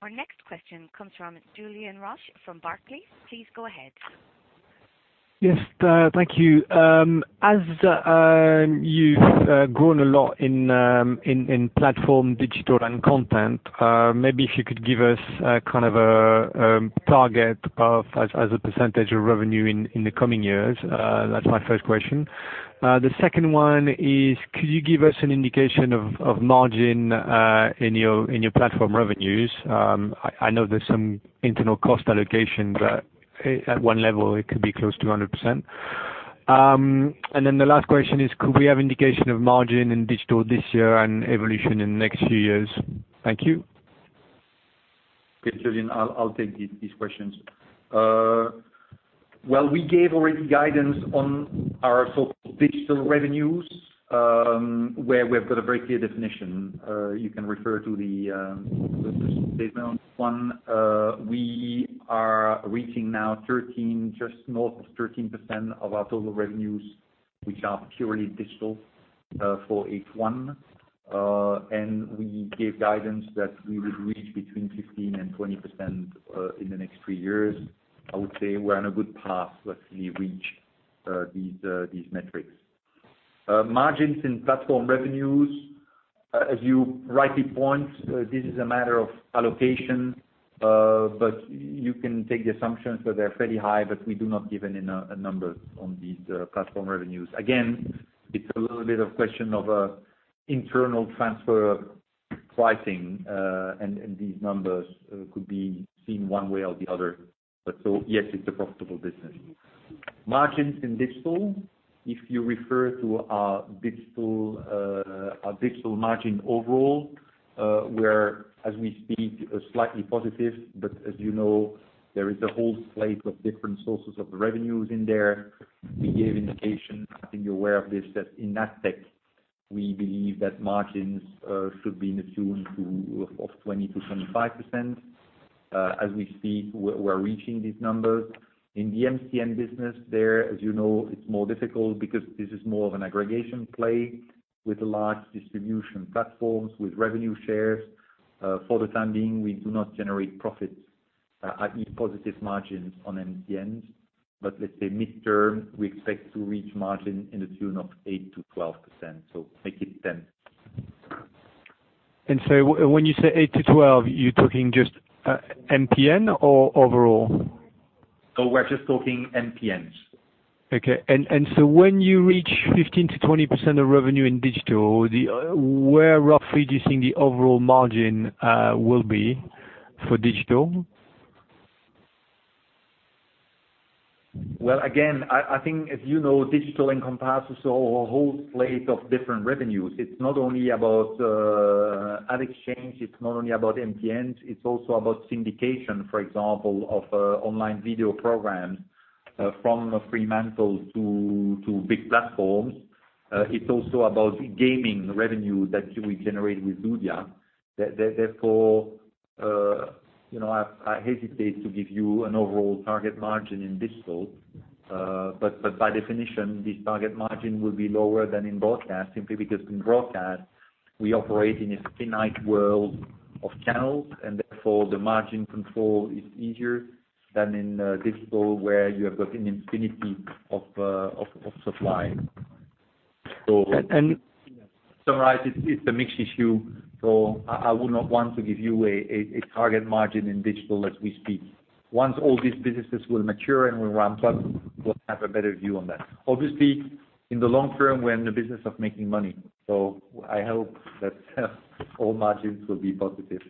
Our next question comes from Julien Roch from Barclays. Please go ahead. Yes. Thank you. As you've grown a lot in platform digital and content, maybe if you could give us a target as a percentage of revenue in the coming years. That's my first question. The second one is, could you give us an indication of margin in your platform revenues? I know there's some internal cost allocation, but at one level it could be close to 100%. Then the last question is, could we have indication of margin in digital this year and evolution in next few years? Thank you. Okay, Julien, I'll take these questions. Well, we gave already guidance on our so-called digital revenues, where we've got a very clear definition. You can refer to the position statement on that one. We are reaching now just north of 13% of our total revenues, which are purely digital, for H1. We gave guidance that we would reach between 15% and 20% in the next three years. I would say we're on a good path to actually reach these metrics. Margins in platform revenues, as you rightly point, this is a matter of allocation. You can take the assumption, so they're fairly high, but we do not give a number on these platform revenues. Again, it's a little bit of question of internal transfer pricing, and these numbers could be seen one way or the other. Yes, it's a profitable business. Margins in digital, if you refer to our digital margin overall, we're, as we speak, slightly positive. As you know, there is a whole slate of different sources of revenues in there. We gave indication, I think you're aware of this, that in AdTech, we believe that margins should be in the tune of 20%-25%. As we speak, we're reaching these numbers. In the MPN business there, as you know, it's more difficult because this is more of an aggregation play with large distribution platforms, with revenue shares. For the time being, we do not generate profits, i.e., positive margins on MPNs. Let's say midterm, we expect to reach margin in the tune of 8%-12%, so make it 10. When you say 8%-12%, you're talking just MPN or overall? No, we're just talking MPNs. Okay. When you reach 15%-20% of revenue in digital, where roughly do you think the overall margin will be for digital? I think, as you know, digital encompasses a whole slate of different revenues. It's not only about ad exchange, it's not only about MPNs, it's also about syndication, for example, of online video programs from Fremantle to big platforms. It's also about gaming revenue that we generate with Ludia. I hesitate to give you an overall target margin in digital. By definition, this target margin will be lower than in broadcast, simply because in broadcast, we operate in a finite world of channels, and therefore, the margin control is easier than in digital, where you have got an infinity of supply. And- To summarize it's a mixed issue. I would not want to give you a target margin in digital as we speak. Once all these businesses will mature and will ramp up, we'll have a better view on that. Obviously, in the long term, we're in the business of making money. I hope that all margins will be positive.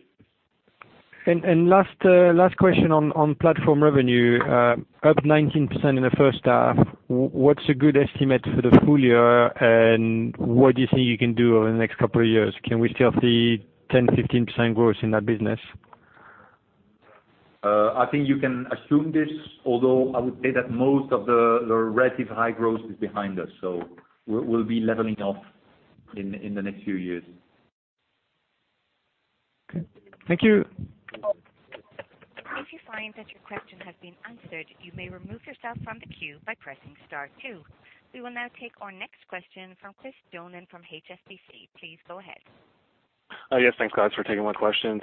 Last question on platform revenue, up 19% in the first half. What's a good estimate for the full year, and what do you think you can do over the next couple of years? Can we still see 10%-15% growth in that business? I think you can assume this, although I would say that most of the relative high growth is behind us. We'll be leveling off in the next few years. Okay. Thank you. If you find that your question has been answered, you may remove yourself from the queue by pressing star two. We will now take our next question from Christopher Donnan from HSBC. Please go ahead. Yes, thanks, guys, for taking my questions.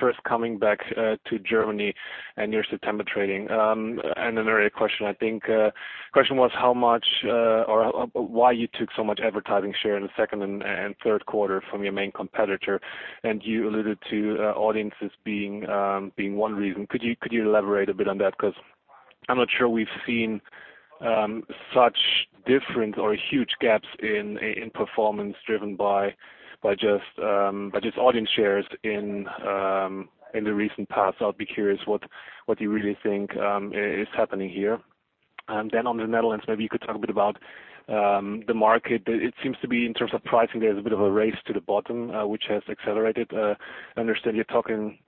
First, coming back to Germany and your September trading, and an earlier question, I think. Question was how much or why you took so much advertising share in the second and third quarter from your main competitor, and you alluded to audiences being one reason. Could you elaborate a bit on that? Because I'm not sure we've seen such difference or huge gaps in performance driven by just audience shares in the recent past. I'll be curious what you really think is happening here. Then on the Netherlands, maybe you could talk a bit about the market. It seems to be, in terms of pricing, there's a bit of a race to the bottom, which has accelerated. I understand you're talking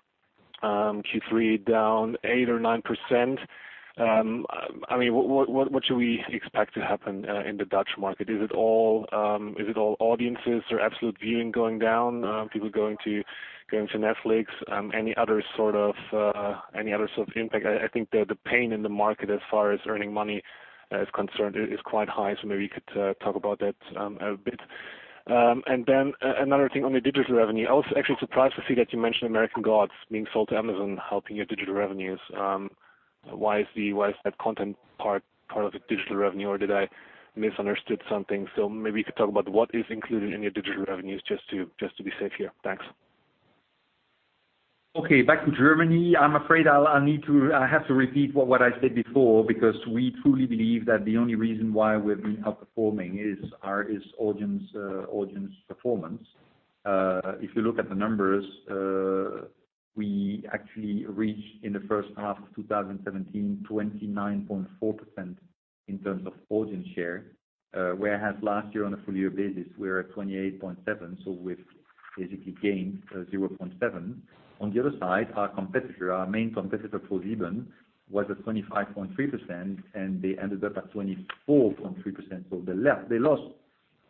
Q3 down 8% or 9%. What should we expect to happen in the Dutch market? Is it all audiences or absolute viewing going down? People going to Netflix? Any other sort of impact? I think that the pain in the market as far as earning money is concerned is quite high. Maybe you could talk about that a bit. Another thing on the digital revenue. I was actually surprised to see that you mentioned American Gods being sold to Amazon helping your digital revenues. Why is that content part of the digital revenue or did I misunderstand something? Maybe you could talk about what is included in your digital revenues just to be safe here. Thanks. Okay. Back to Germany. I'm afraid I have to repeat what I said before, because we truly believe that the only reason why we've been outperforming is audience performance. If you look at the numbers, we actually reached in the first half of 2017, 29.4% in terms of audience share, whereas last year on a full year basis, we were at 28.7%. We've basically gained 0.7. On the other side, our main competitor, ProSieben, was at 25.3%, and they ended up at 24.3%. They lost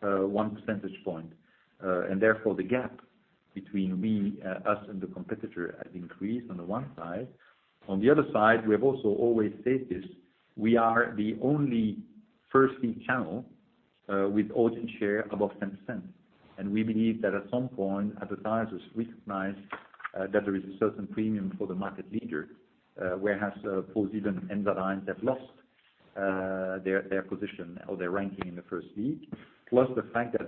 one percentage point. Therefore, the gap between us and the competitor has increased on the one side. On the other side, we have also always said this, we are the only first league channel with audience share above 10%. We believe that at some point, advertisers recognize that there is a certain premium for the market leader. Whereas ProSiebenSat.1 have lost their position or their ranking in the first league. Plus the fact that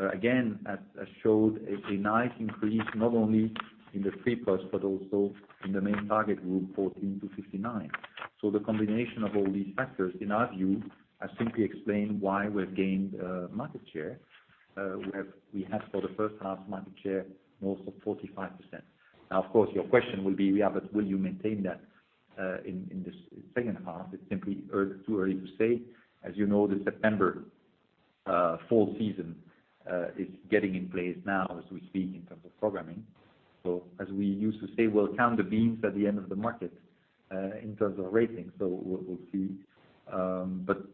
VOX, again, has showed a nice increase not only in the three plus, but also in the main target group 14 to 59. The combination of all these factors, in our view, has simply explained why we've gained market share. We have for the first half market share north of 45%. Of course, your question will be, yeah, but will you maintain that in this second half? It's simply too early to say. As you know, the September fall season is getting in place now as we speak in terms of programming. As we used to say, we'll count the beans at the end of the market in terms of ratings. We'll see.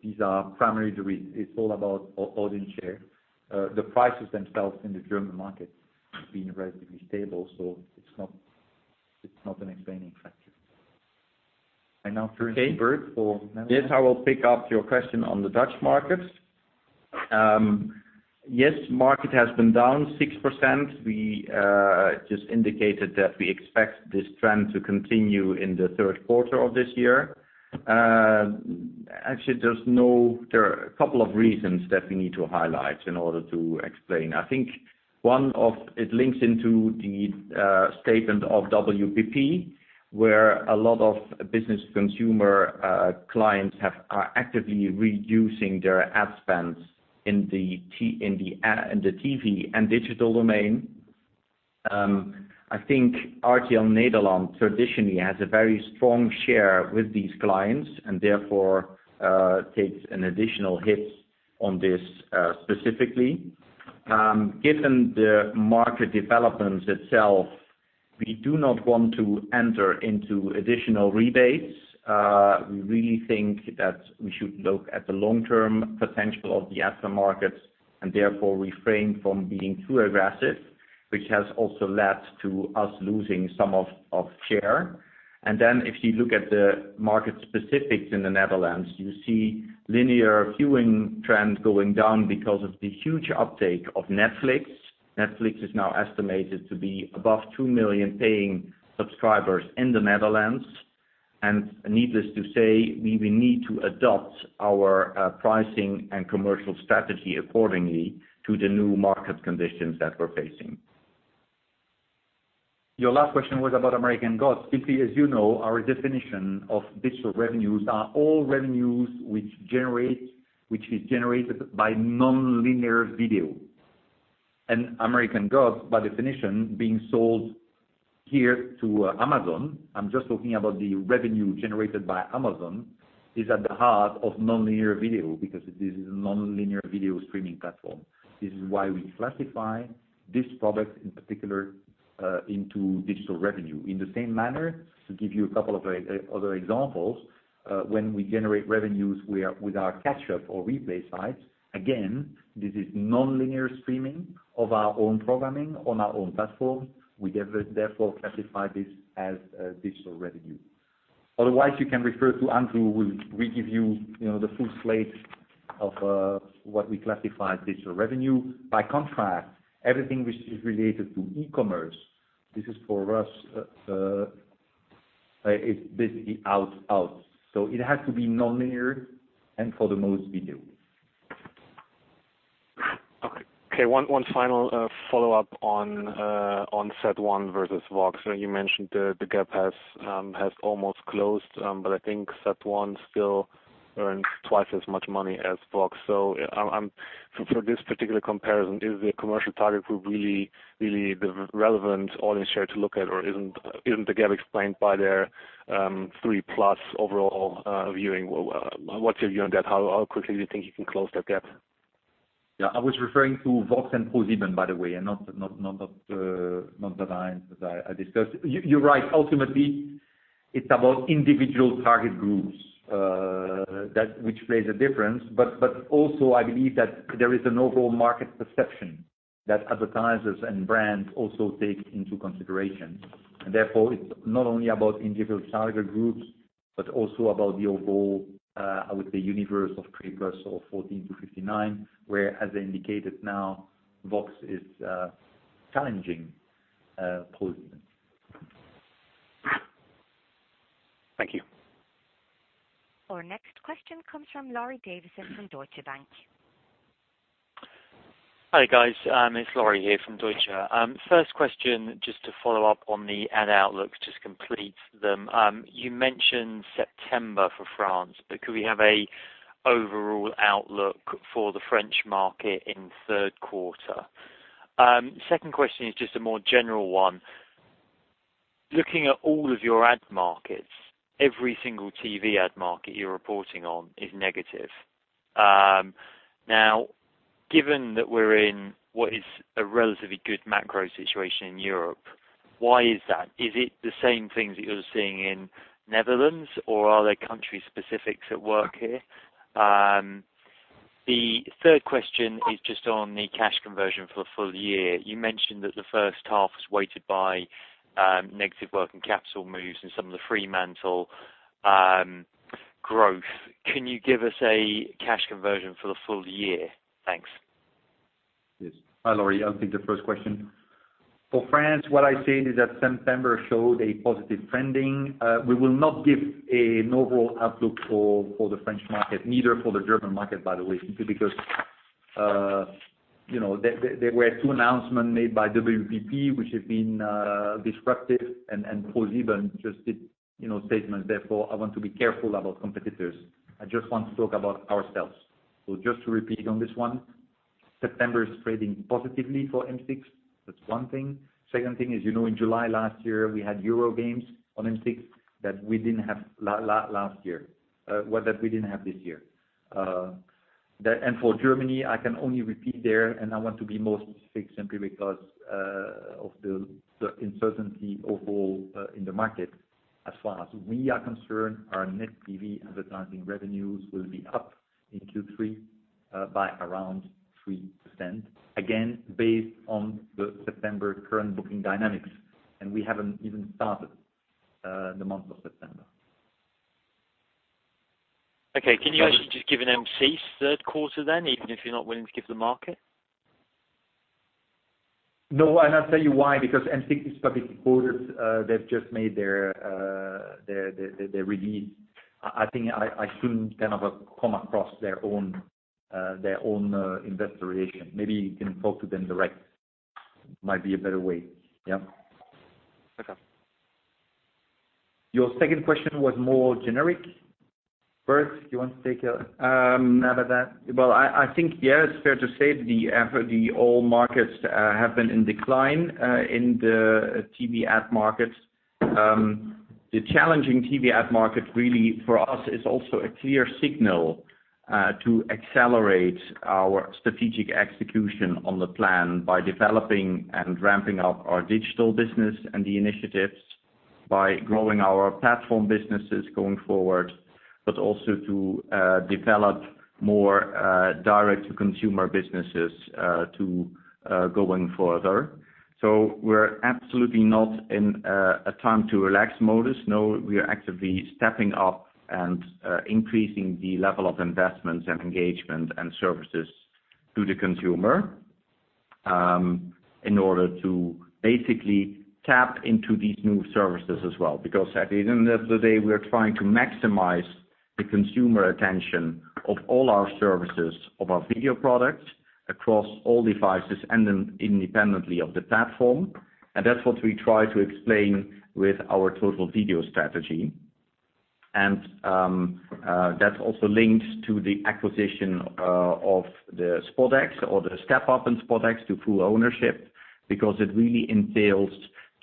These are primary the reason. It's all about audience share. The prices themselves in the German market have been relatively stable. It's not an explaining factor. Now turning to Bert for Netherlands. Yes, I will pick up your question on the Dutch market. Yes, market has been down 6%. We just indicated that we expect this trend to continue in the third quarter of this year. Actually, there are a couple of reasons that we need to highlight in order to explain. I think one links into the statement of WPP, where a lot of business consumer clients are actively reducing their ad spends in the TV and digital domain. I think RTL Nederland traditionally has a very strong share with these clients and therefore takes an additional hit on this specifically. Given the market developments itself, we do not want to enter into additional rebates. We really think that we should look at the long-term potential of the ad spend markets, and therefore refrain from being too aggressive, which has also led to us losing some of share. If you look at the market specifics in the Netherlands, you see linear viewing trends going down because of the huge uptake of Netflix. Netflix is now estimated to be above 2 million paying subscribers in the Netherlands. Needless to say, we will need to adopt our pricing and commercial strategy accordingly to the new market conditions that we're facing. Your last question was about "American Gods." Simply, as you know, our definition of digital revenues are all revenues which is generated by non-linear video. "American Gods", by definition, being sold here to Amazon, I'm just talking about the revenue generated by Amazon, is at the heart of non-linear video because this is a non-linear video streaming platform. This is why we classify this product in particular into digital revenue. In the same manner, to give you a couple of other examples, when we generate revenues with our catch up or replay sites, again, this is non-linear streaming of our own programming on our own platform. We therefore classify this as digital revenue. You can refer to Andrew who will give you the full slate of what we classify as digital revenue. Everything which is related to e-commerce, this is for us, it's basically out. It has to be non-linear, and for the most video. Okay. One final follow-up on Sat.1 versus VOX. You mentioned the gap has almost closed, I think Sat.1 still earned twice as much money as VOX. For this particular comparison, is the commercial target group really the relevant audience share to look at or isn't the gap explained by their 3 plus overall viewing? What's your view on that? How quickly do you think you can close that gap? Yeah, I was referring to VOX and ProSieben, by the way, and not the lines that I discussed. You're right. Ultimately, it's about individual target groups which plays a difference. Also, I believe that there is an overall market perception that advertisers and brands also take into consideration. Therefore, it's not only about individual target groups, but also about the overall, I would say, universe of people, so 14 to 59, where, as I indicated now, VOX is challenging ProSieben. Thank you. Our next question comes from Laurie Davison from Deutsche Bank. Hi, guys. It's Laurie here from Deutsche. First question just to follow up on the ad outlook, just complete them. You mentioned September for France, could we have an overall outlook for the French market in third quarter? Second question is just a more general one. Looking at all of your ad markets, every single TV ad market you're reporting on is negative. Given that we're in what is a relatively good macro situation in Europe, why is that? Is it the same things that you're seeing in Netherlands, or are there country specifics at work here? The third question is just on the cash conversion for the full year. You mentioned that the first half was weighted by negative working capital moves and some of the Fremantle growth. Can you give us a cash conversion for the full year? Thanks. Yes. Hi, Laurie. I'll take the first question. For France, what I said is that September showed a positive trending. We will not give an overall outlook for the French market, neither for the German market, by the way, simply because there were two announcements made by WPP, which have been disruptive, ProSieben just did statements. I want to be careful about competitors. I just want to talk about ourselves. Just to repeat on this one, September is trading positively for Groupe M6. That's one thing. Second thing is, in July last year, we had UEFA Euro 2016 on Groupe M6 that we didn't have this year. For Germany, I can only repeat there, and I want to be more specific simply because of the uncertainty overall in the market. As far as we are concerned, our net TV advertising revenues will be up in Q3 by around 3%, again, based on the September current booking dynamics, and we haven't even started the month of September. Okay. Can you actually just give an Groupe M6 third quarter then, even if you're not willing to give the market? No, I'll tell you why, because Groupe M6 is publicly quoted. They've just made their release. I think I shouldn't come across their own investor relation. Maybe you can talk to them direct. Might be a better way. Yeah. Okay. Your second question was more generic. Bert, do you want to take care of that? Well, I think, yeah, it's fair to say the all markets have been in decline in the TV ad market. The challenging TV ad market really for us is also a clear signal to accelerate our strategic execution on the plan by developing and ramping up our digital business and the initiatives by growing our platform businesses going forward, but also to develop more direct-to-consumer businesses to going further. We're absolutely not in a time to relax modus. No, we are actively stepping up and increasing the level of investments and engagement and services to the consumer in order to basically tap into these new services as well. At the end of the day, we're trying to maximize the consumer attention of all our services, of our video products across all devices and then independently of the platform. That's what we try to explain with our total video strategy. That also links to the acquisition of the SpotX or the step-up in SpotX to full ownership because it really entails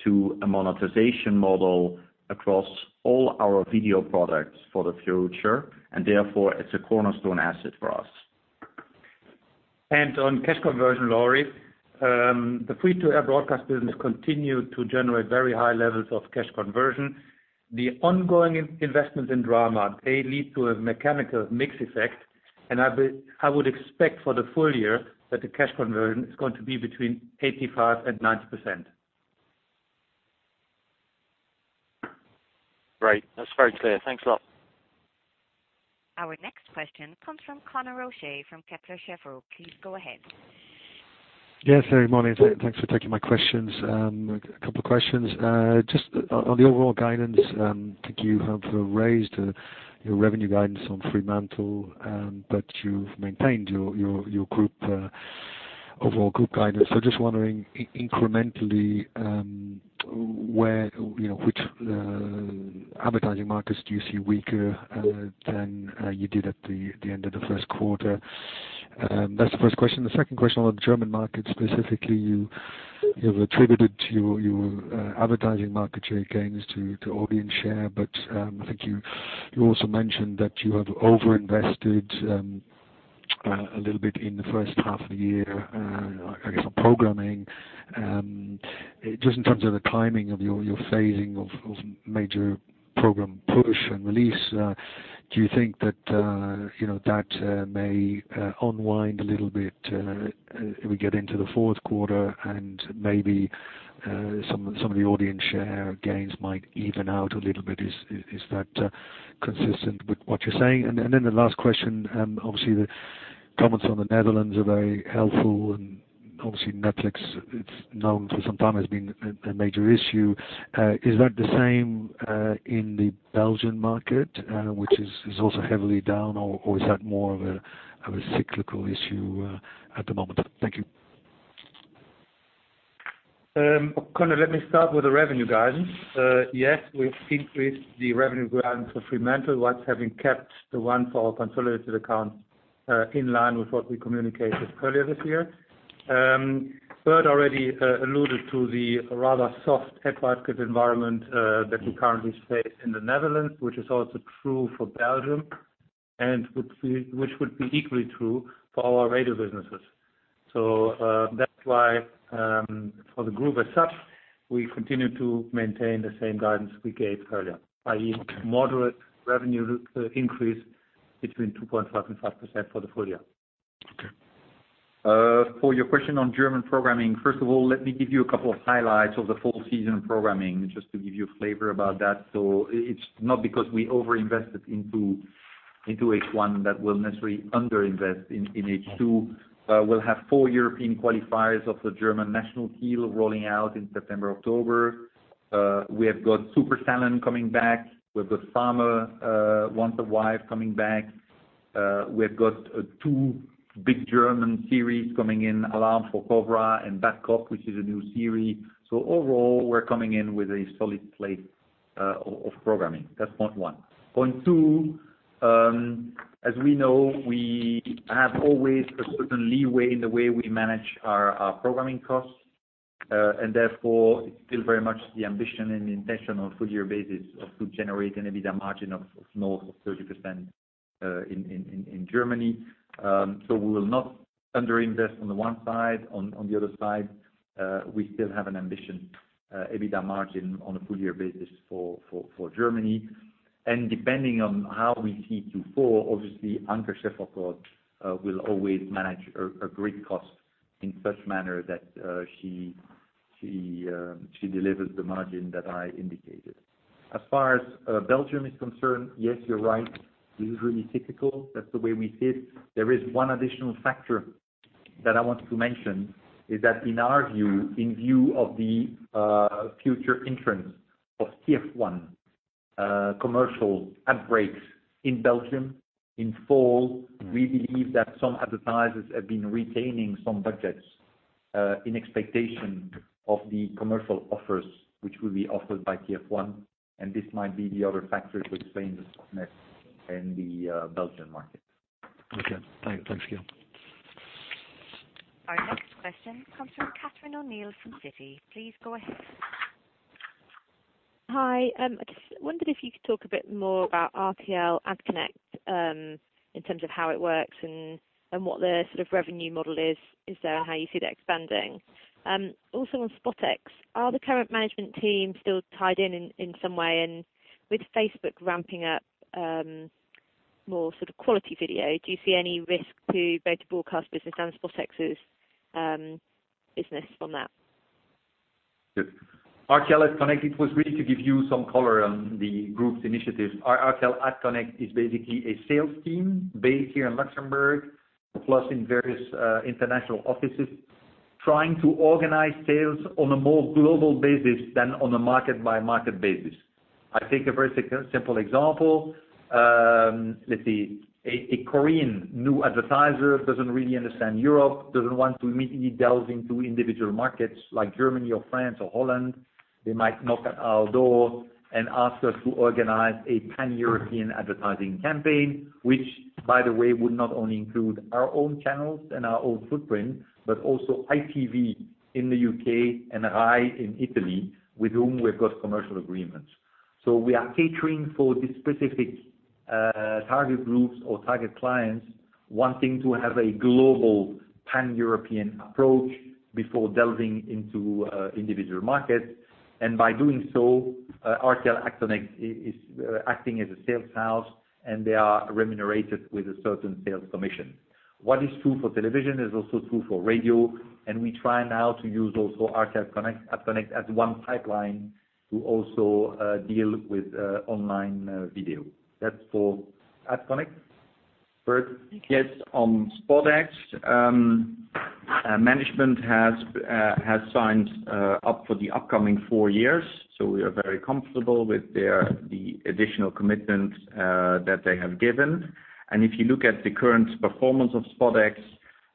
to a monetization model across all our video products for the future. Therefore, it's a cornerstone asset for us. On cash conversion, Laurie, the free-to-air broadcast business continued to generate very high levels of cash conversion. The ongoing investments in drama, they lead to a mechanical mix effect, and I would expect for the full year that the cash conversion is going to be between 85%-90%. Great. That's very clear. Thanks a lot. Our next question comes from Conor O'Shea from Kepler Cheuvreux. Please go ahead. Yes, good morning. Thanks for taking my questions. A couple of questions. Just on the overall guidance, I think you have raised your revenue guidance on Fremantle, but you've maintained your overall group guidance. Just wondering, incrementally, which advertising markets do you see weaker than you did at the end of the first quarter? That's the first question. The second question on the German market specifically. You have attributed your advertising market share gains to audience share. I think you also mentioned that you have over-invested a little bit in the first half of the year, I guess, on programming. Just in terms of the timing of your phasing of major program push and release, do you think that may unwind a little bit as we get into the fourth quarter and maybe some of the audience share gains might even out a little bit? Is that consistent with what you're saying? The last question, obviously the comments on the Netherlands are very helpful and obviously Netflix, it's known for some time as being a major issue. Is that the same in the Belgian market, which is also heavily down, or is that more of a cyclical issue at the moment? Thank you. Conor, let me start with the revenue guidance. Yes, we've increased the revenue guidance for Fremantle, whilst having kept the one for our consolidated account in line with what we communicated earlier this year. Bert Habets already alluded to the rather soft advertising environment that we currently face in the Netherlands, which is also true for Belgium, and which would be equally true for our radio businesses. That's why, for the group as such, we continue to maintain the same guidance we gave earlier, i.e., moderate revenue increase between 2.5% and 5% for the full year. Okay. For your question on German programming, first of all, let me give you a couple of highlights of the fall season programming, just to give you a flavor about that. It's not because we over-invested into H1 that we'll necessarily under-invest in H2. We'll have four European qualifiers of the German national team rolling out in September, October. We've got Super Talent coming back. We've got Bauer sucht Frau coming back. We've got two big German series coming in, Alarm für Cobra and Beck is back!, which is a new series. Overall, we're coming in with a solid slate of programming. That's point one. Point two, as we know, we have always a certain leeway in the way we manage our programming costs. Therefore, it's still very much the ambition and the intention on a full year basis of good generating EBITDA margin of north of 30% in Germany. We will not under-invest on the one side. On the other side, we still have an ambition EBITDA margin on a full year basis for Germany. Depending on how we see Q4, obviously Anke Schäferkordt will always manage a great cost in such manner that she delivers the margin that I indicated. As far as Belgium is concerned, yes, you're right. It is really typical. That's the way we see it. There is one additional factor that I want to mention, is that in our view, in view of the future entrance of TF1 commercial ad breaks in Belgium in fall, we believe that some advertisers have been retaining some budgets in expectation of the commercial offers which will be offered by TF1, and this might be the other factor to explain the softness in the Belgian market. Okay. Thanks, Guil. Our next question comes from Katherine O'Neill from Citi. Please go ahead. Hi. I just wondered if you could talk a bit more about RTL AdConnect in terms of how it works and what the sort of revenue model is there and how you see that expanding. Also on SpotX, are the current management team still tied in in some way? And with Facebook ramping up more sort of quality video, do you see any risk to both broadcast business and SpotX's business from that? Yep. RTL AdConnect, it was really to give you some color on the group's initiatives. Our RTL AdConnect is basically a sales team based here in Luxembourg, plus in various international offices, trying to organize sales on a more global basis than on a market-by-market basis. I take a very simple example. Let's see. A Korean new advertiser doesn't really understand Europe, doesn't want to immediately delve into individual markets like Germany or France or Holland. They might knock at our door and ask us to organize a pan-European advertising campaign, which by the way, would not only include our own channels and our own footprint, but also ITV in the U.K. and RAI in Italy, with whom we've got commercial agreements. We are catering for the specific target groups or target clients wanting to have a global pan-European approach before delving into individual markets. By doing so, RTL AdConnect is acting as a sales house, and they are remunerated with a certain sales commission. What is true for television is also true for radio, and we try now to use also RTL AdConnect as one pipeline to also deal with online video. That's for AdConnect. Bert? Yes. On SpotX, management has signed up for the upcoming four years, so we are very comfortable with the additional commitments that they have given. If you look at the current performance of SpotX,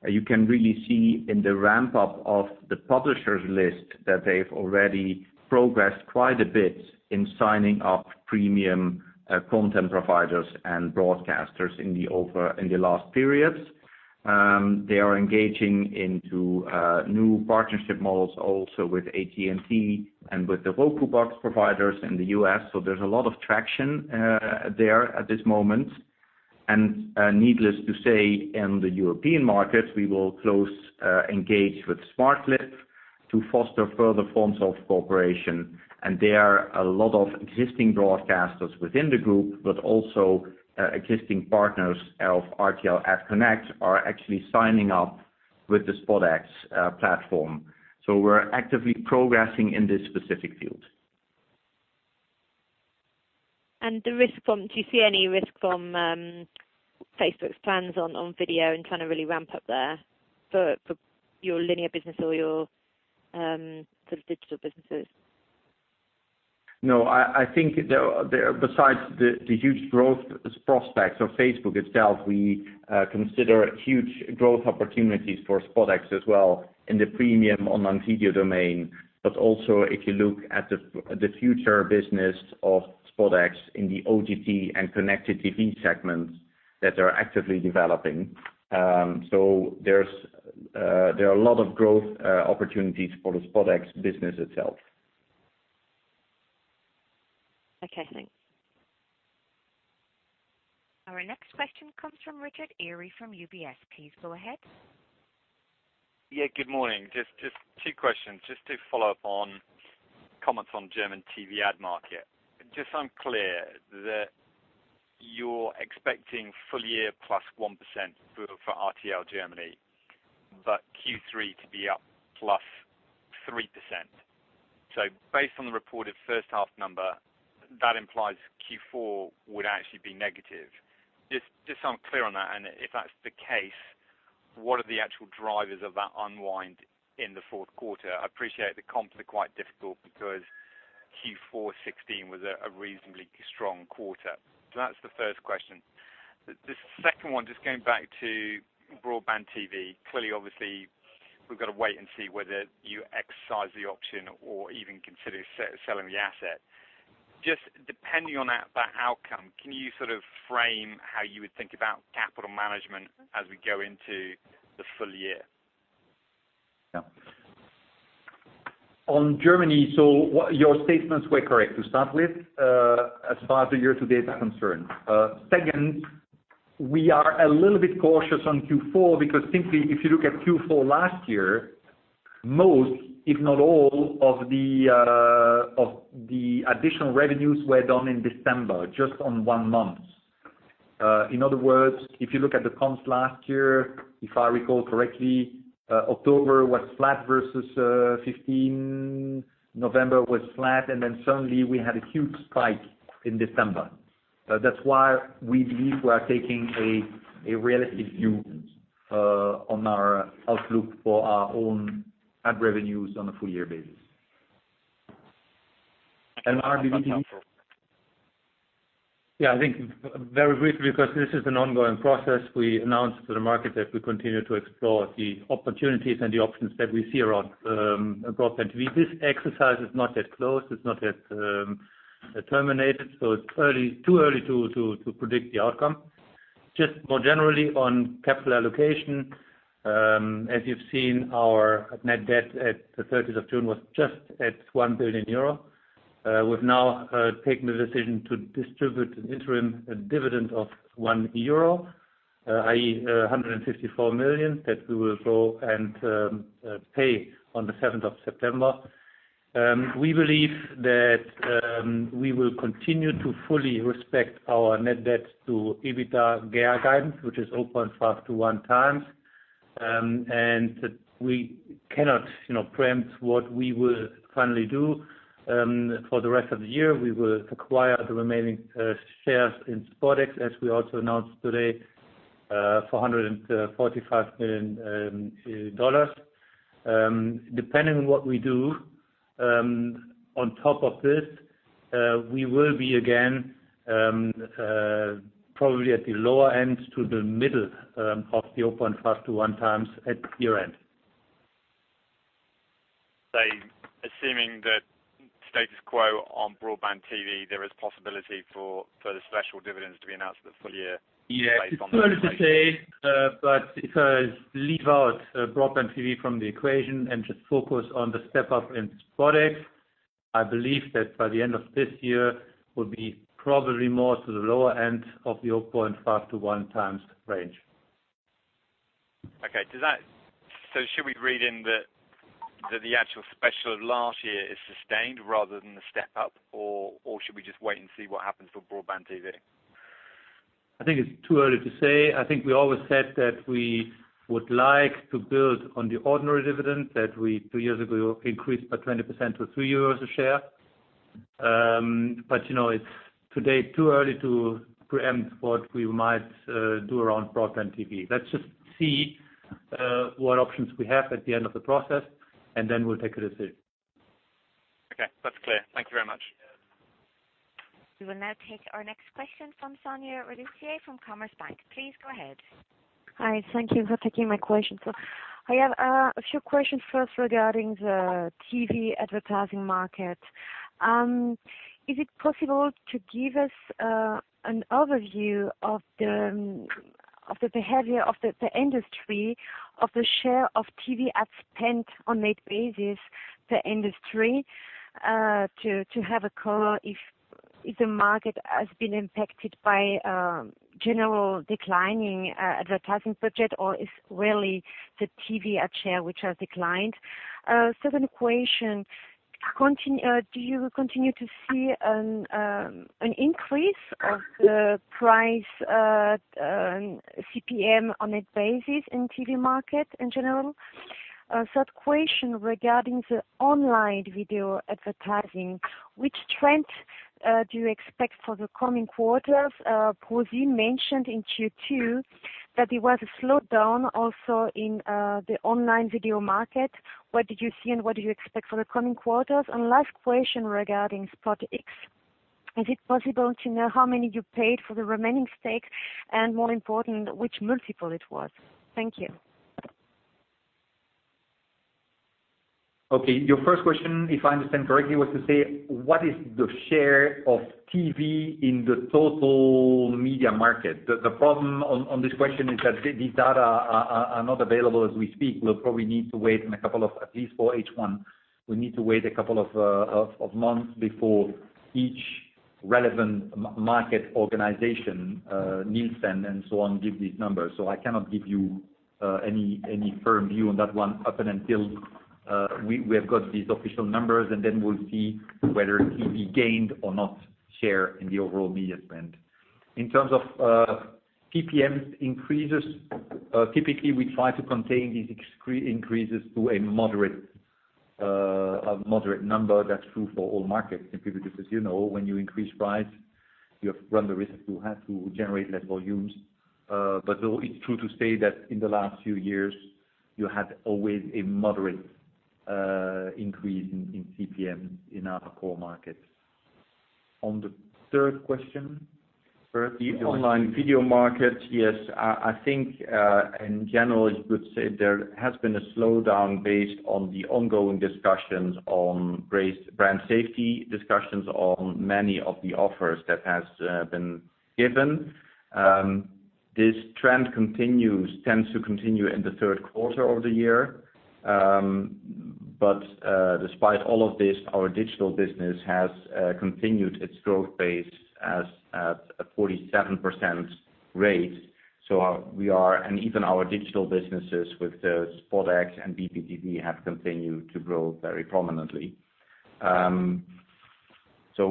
you can really see in the ramp-up of the publishers list that they've already progressed quite a bit in signing up premium content providers and broadcasters in the last periods. They are engaging into new partnership models also with AT&T and with the Roku box providers in the U.S. There's a lot of traction there at this moment. Needless to say, in the European markets, we will close engage with smartclip to foster further forms of cooperation. There are a lot of existing broadcasters within the group, but also existing partners of RTL AdConnect are actually signing up with the SpotX platform. We're actively progressing in this specific field. Do you see any risk from Facebook's plans on video and trying to really ramp up there for your linear business or your sort of digital businesses? I think besides the huge growth prospects of Facebook itself, we consider huge growth opportunities for SpotX as well in the premium online video domain. Also if you look at the future business of SpotX in the OTT and connected TV segments that they are actively developing. There are a lot of growth opportunities for the SpotX business itself. Okay, thanks. Our next question comes from Richard Eary from UBS. Please go ahead. Good morning. Just two questions just to follow up on comments on German TV ad market. Just I'm clear that you're expecting full year +1% growth for RTL Germany, but Q3 to be up +3%. Based on the reported first half number, that implies Q4 would actually be negative. Just so I'm clear on that, and if that's the case, what are the actual drivers of that unwind in the fourth quarter? I appreciate the comps are quite difficult because Q4 2016 was a reasonably strong quarter. That's the first question. The second one, just going back to BroadbandTV. Clearly, obviously, we've got to wait and see whether you exercise the option or even consider selling the asset. Just depending on that outcome, can you sort of frame how you would think about capital management as we go into the full year? On Germany, your statements were correct to start with, as far as the year to date are concerned. Second, we are a little bit cautious on Q4 because simply if you look at Q4 last year, most, if not all of the additional revenues were done in December, just on one month. In other words, if you look at the comps last year, if I recall correctly, October was flat versus 2015, November was flat, suddenly we had a huge spike in December. That's why we believe we are taking a realistic view on our outlook for our own ad revenues on a full year basis. Are we- That's helpful. Yeah, I think very briefly, because this is an ongoing process, we announced to the market that we continue to explore the opportunities and the options that we see around broadband. This exercise is not yet closed, it is not yet terminated, it is too early to predict the outcome. Just more generally on capital allocation, as you've seen, our net debt at the 30th of June was just at 1 billion euro. We've now taken the decision to distribute an interim dividend of 1 euro, i.e., 154 million that we will go and pay on the 7th of September. We believe that we will continue to fully respect our net debt to EBITDA gear guidance, which is 0.5-1 times. We cannot pre-empt what we will finally do for the rest of the year. We will acquire the remaining shares in SpotX, as we also announced today, for $145 million. Depending on what we do, on top of this, we will be again, probably at the lower end to the middle of the 0.5-1 times at year-end. Assuming the status quo on BroadbandTV, there is possibility for the special dividends to be announced at the full year based on that. Yeah. It is early to say, if I leave out BroadbandTV from the equation and just focus on the step up in SpotX, I believe that by the end of this year, we will be probably more to the lower end of the 0.5 to 1 times range. Okay. Should we read in that the actual special of last year is sustained rather than the step up, or should we just wait and see what happens with BroadbandTV? I think it is too early to say. I think we always said that we would like to build on the ordinary dividend that we, two years ago, increased by 20% to 3 euros a share. It is today too early to pre-empt what we might do around BroadbandTV. Let us just see what options we have at the end of the process, then we will take a decision. Okay. That's clear. Thank you very much. We will now take our next question from Sonia Rabussier from Commerzbank. Please go ahead. Hi. Thank you for taking my question, sir. I have a few questions first regarding the TV advertising market. Is it possible to give us an overview of the behavior of the industry, of the share of TV ad spend on net basis per industry, to have a color if the market has been impacted by general declining advertising budget, or it's really the TV ad share which has declined. Second question, do you continue to see an increase of the price CPM on net basis in TV market, in general? Third question regarding the online video advertising. Which trend do you expect for the coming quarters? ProSieben mentioned in Q2 that there was a slowdown also in the online video market. What did you see and what do you expect for the coming quarters? Last question regarding SpotX. Is it possible to know how many you paid for the remaining stake? More important, which multiple it was? Thank you. Okay. Your first question, if I understand correctly, was to say, what is the share of TV in the total media market? The problem on this question is that these data are not available as we speak. We'll probably need to wait on a couple of, at least for H1, we need to wait a couple of months before each relevant market organization, Nielsen and so on, give these numbers. I cannot give you any firm view on that one up until we have got these official numbers, and then we'll see whether TV gained or not share in the overall media spend. In terms of CPM increases, typically, we try to contain these increases to a moderate number. That's true for all markets. People, just as you know, when you increase price, you run the risk to have to generate less volumes. Though it's true to say that in the last few years, you had always a moderate increase in CPM in our core markets. On the third question, Bert? The online video market, yes. I think, in general, you could say there has been a slowdown based on the ongoing discussions on brand safety, discussions on many of the offers that has been given. This trend tends to continue in the third quarter of the year. Despite all of this, our digital business has continued its growth pace at a 47% rate. Even our digital businesses with the SpotX and BBTV have continued to grow very prominently.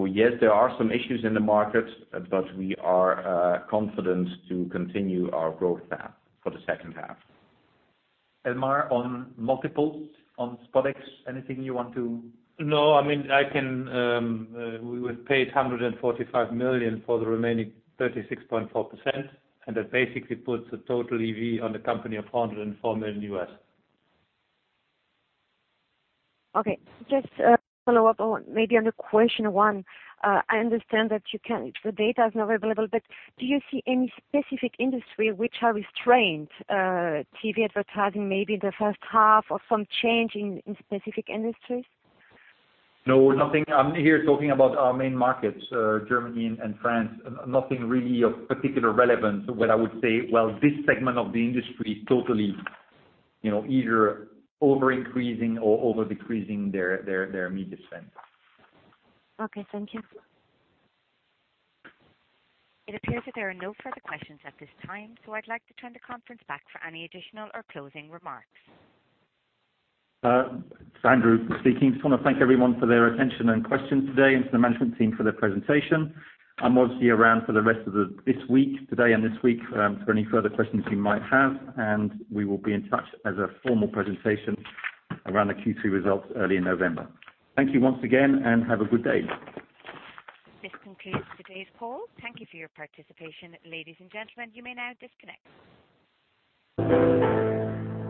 Yes, there are some issues in the market, but we are confident to continue our growth path for the second half. Elmar, on multiple, on SpotX, anything you want to? No, we paid $145 million for the remaining 36.4%, and that basically puts a total EV on the company of $404 million. Okay. Just follow up on, maybe on the question one. I understand that the data is not available, but do you see any specific industry which are restrained TV advertising, maybe in the first half of some change in specific industries? No, nothing. I'm here talking about our main markets, Germany and France. Nothing really of particular relevance where I would say, well, this segment of the industry is totally either over-increasing or over-decreasing their media spend. Okay, thank you. It appears that there are no further questions at this time, so I'd like to turn the conference back for any additional or closing remarks. Andrew speaking. I just want to thank everyone for their attention and questions today, and to the management team for their presentation. I'm obviously around for the rest of this week, today and this week, for any further questions you might have, and we will be in touch as a formal presentation around the Q2 results early in November. Thank you once again, and have a good day. This concludes today's call. Thank you for your participation. Ladies and gentlemen, you may now disconnect.